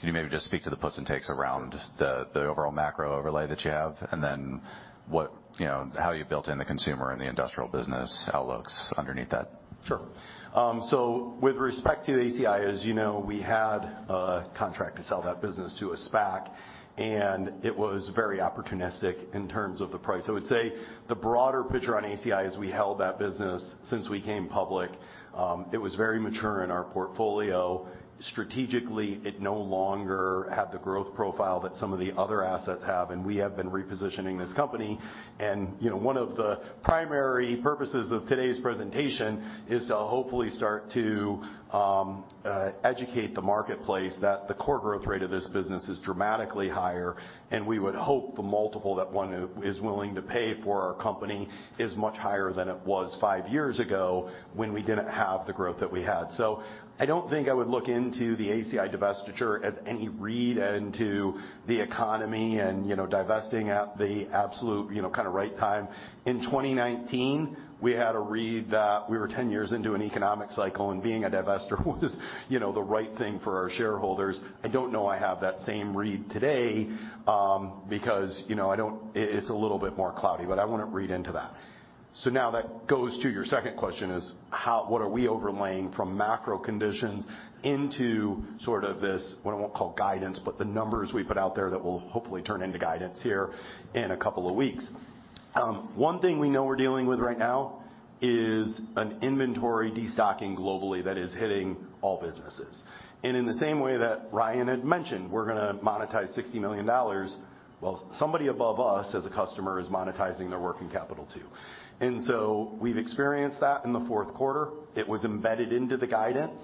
Can you maybe just speak to the puts and takes around the overall macro overlay that you have and then how you built in the consumer and the industrial business outlooks underneath that? Sure. With respect to ACI, as you know, we had a contract to sell that business to a SPAC, and it was very opportunistic in terms of the price. I would say the broader picture on ACI is we held that business since we came public. It was very mature in our portfolio. Strategically, it no longer had the growth profile that some of the other assets have. We have been repositioning this company. One of the primary purposes of today's presentation is to hopefully start to educate the marketplace that the core growth rate of this business is dramatically higher. We would hope the multiple that one is willing to pay for our company is much higher than it was five years ago when we didn't have the growth that we had. I don't think I would look into the ACI divestiture as any read into the economy and divesting at the absolute kind of right time. In 2019, we had a read that we were 10 years into an economic cycle, and being a divestor was the right thing for our shareholders. I don't know I have that same read today because it's a little bit more cloudy, but I won't read into that. Now that goes to your second question is, what are we overlaying from macro conditions into sort of this, what I won't call guidance, but the numbers we put out there that will hopefully turn into guidance here in a couple of weeks? One thing we know we're dealing with right now is an inventory destocking globally that is hitting all businesses. In the same way that Ryan had mentioned, we're going to monetize $60 million. Well, somebody above us as a customer is monetizing their working capital too. We've experienced that in the fourth quarter. It was embedded into the guidance.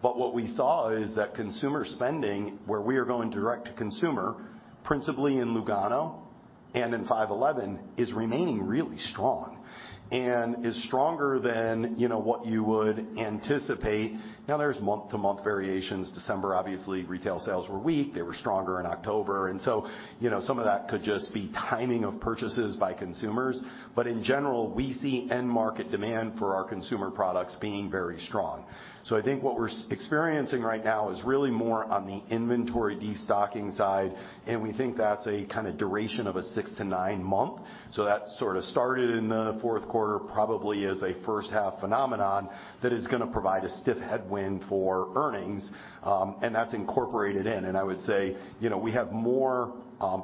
What we saw is that consumer spending, where we are going direct to consumer, principally in Lugano and in 5.11, is remaining really strong and is stronger than what you would anticipate. Now, there's month-to-month variations. December, obviously, retail sales were weak. They were stronger in October. Some of that could just be timing of purchases by consumers. In general, we see end-market demand for our consumer products being very strong. I think what we're experiencing right now is really more on the inventory destocking side. We think that's a kind of duration of a six to nine month. That sort of started in the fourth quarter, probably as a first-half phenomenon that is going to provide a stiff headwind for earnings. That's incorporated in. I would say we have more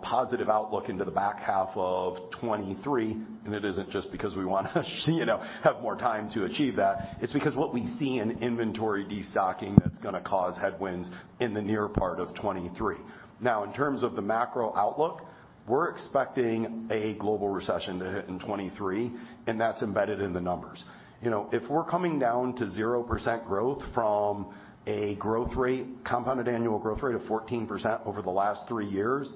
positive outlook into the back half of 2023. It isn't just because we want to have more time to achieve that. It's because what we see in inventory destocking that's going to cause headwinds in the near part of 2023. In terms of the macro outlook, we're expecting a global recession to hit in 2023. That's embedded in the numbers. If we're coming down to 0% growth from a compounded annual growth rate of 14% over the last three years,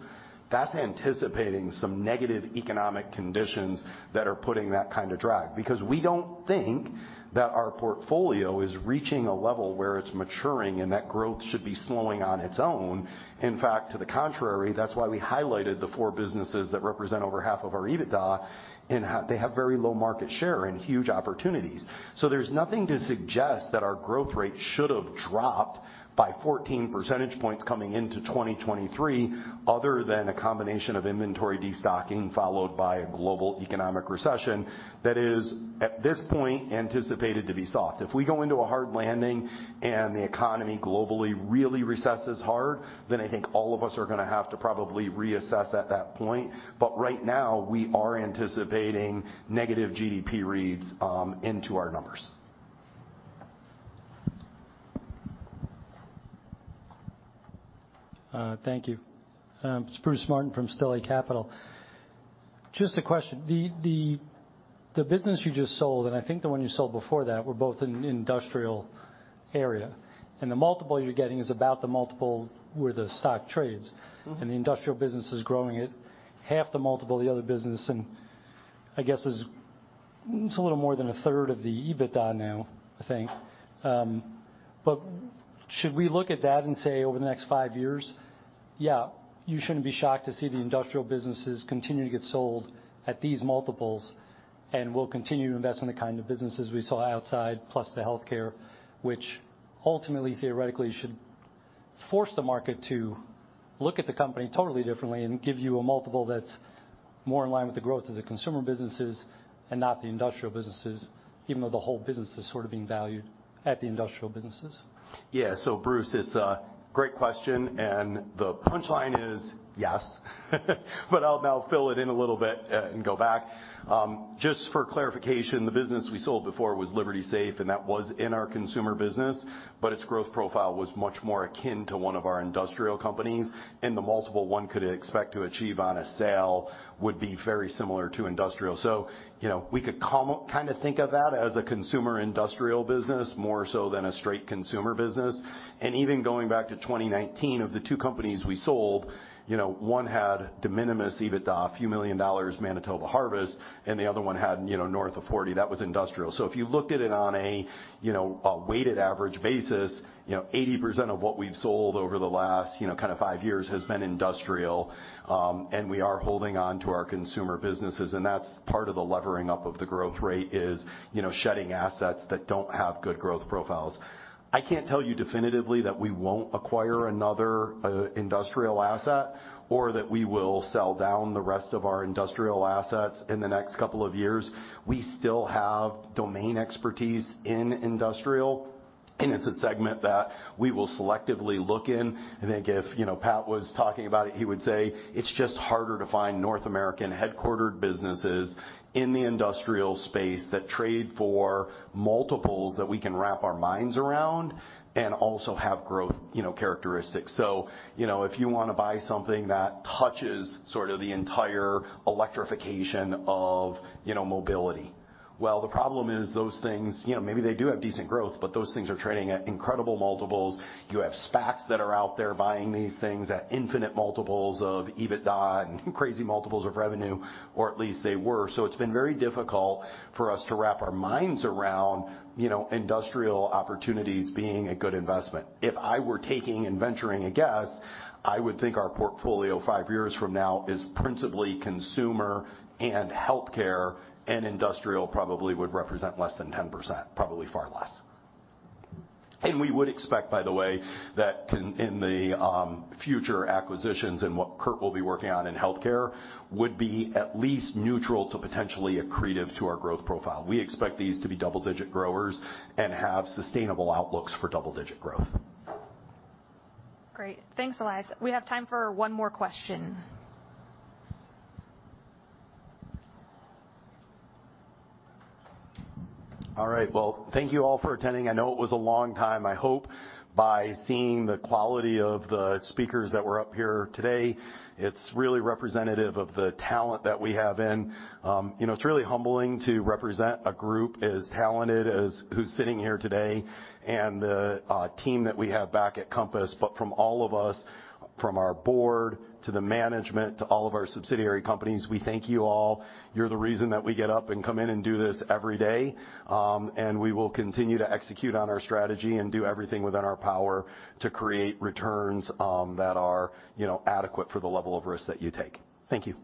that's anticipating some negative economic conditions that are putting that kind of drag because we don't think that our portfolio is reaching a level where it's maturing and that growth should be slowing on its own. In fact, to the contrary, that's why we highlighted the four businesses that represent over half of our EBITDA. They have very low market share and huge opportunities. There's nothing to suggest that our growth rate should have dropped by 14 percentage points coming into 2023 other than a combination of inventory destocking followed by a global economic recession that is, at this point, anticipated to be soft. If we go into a hard landing and the economy globally really recesses hard, then I think all of us are going to have to probably reassess at that point. Right now, we are anticipating negative GDP reads into our numbers. Thank you. Bruce Martin from Stifel. Just a question. The business you just sold, and I think the one you sold before that, were both in the industrial area. The multiple you're getting is about the multiple where the stock trades. The industrial business is growing it half the multiple the other business, and I guess it's a little more than a third of the EBITDA now, I think. Should we look at that and say over the next five years, yeah, you shouldn't be shocked to see the industrial businesses continue to get sold at these multiples? We'll continue to invest in the kind of businesses we saw outside, plus the healthcare, which ultimately, theoretically, should force the market to look at the company totally differently and give you a multiple that's more in line with the growth of the consumer businesses and not the industrial businesses, even though the whole business is sort of being valued at the industrial businesses. Bruce, it's a great question. The punchline is yes. I'll now fill it in a little bit and go back. Just for clarification, the business we sold before was Liberty Safe. That was in our consumer business. Its growth profile was much more akin to one of our industrial companies. The multiple one could expect to achieve on a sale would be very similar to industrial. We could kind of think of that as a consumer industrial business more so than a straight consumer business. Even going back to 2019, of the two companies we sold, one had de minimis EBITDA, a few million dollars, Manitoba Harvest. The other one had North of $40 million. That was industrial. If you looked at it on a weighted average basis, 80% of what we've sold over the last kind of five years has been industrial. We are holding on to our consumer businesses. That's part of the levering up of the growth rate is shedding assets that don't have good growth profiles. I can't tell you definitively that we won't acquire another industrial asset or that we will sell down the rest of our industrial assets in the next couple of years. We still have domain expertise in industrial. It's a segment that we will selectively look in. I think if Pat was talking about it, he would say it's just harder to find North American headquartered businesses in the industrial space that trade for multiples that we can wrap our minds around and also have growth characteristics. If you want to buy something that touches sort of the entire electrification of mobility, well, the problem is those things, maybe they do have decent growth, but those things are trading at incredible multiples. You have SPACs that are out there buying these things at infinite multiples of EBITDA and crazy multiples of revenue, or at least they were. It's been very difficult for us to wrap our minds around industrial opportunities being a good investment. If I were taking and venturing a guess, I would think our portfolio five years from now is principally consumer and healthcare, and industrial probably would represent less than 10%, probably far less. We would expect, by the way, that in the future acquisitions and what Kurt will be working on in healthcare would be at least neutral to potentially accretive to our growth profile. We expect these to be double-digit growers and have sustainable outlooks for double-digit growth. Great. Thanks, Elias. We have time for one more question. All right. Well, thank you all for attending. I know it was a long time. I hope by seeing the quality of the speakers that were up here today, it's really representative of the talent that we have in. It's really humbling to represent a group as talented as who's sitting here today and the team that we have back at Compass. From all of us, from our board to the management to all of our subsidiary companies, we thank you all. You're the reason that we get up and come in and do this every day. We will continue to execute on our strategy and do everything within our power to create returns that are adequate for the level of risk that you take. Thank you.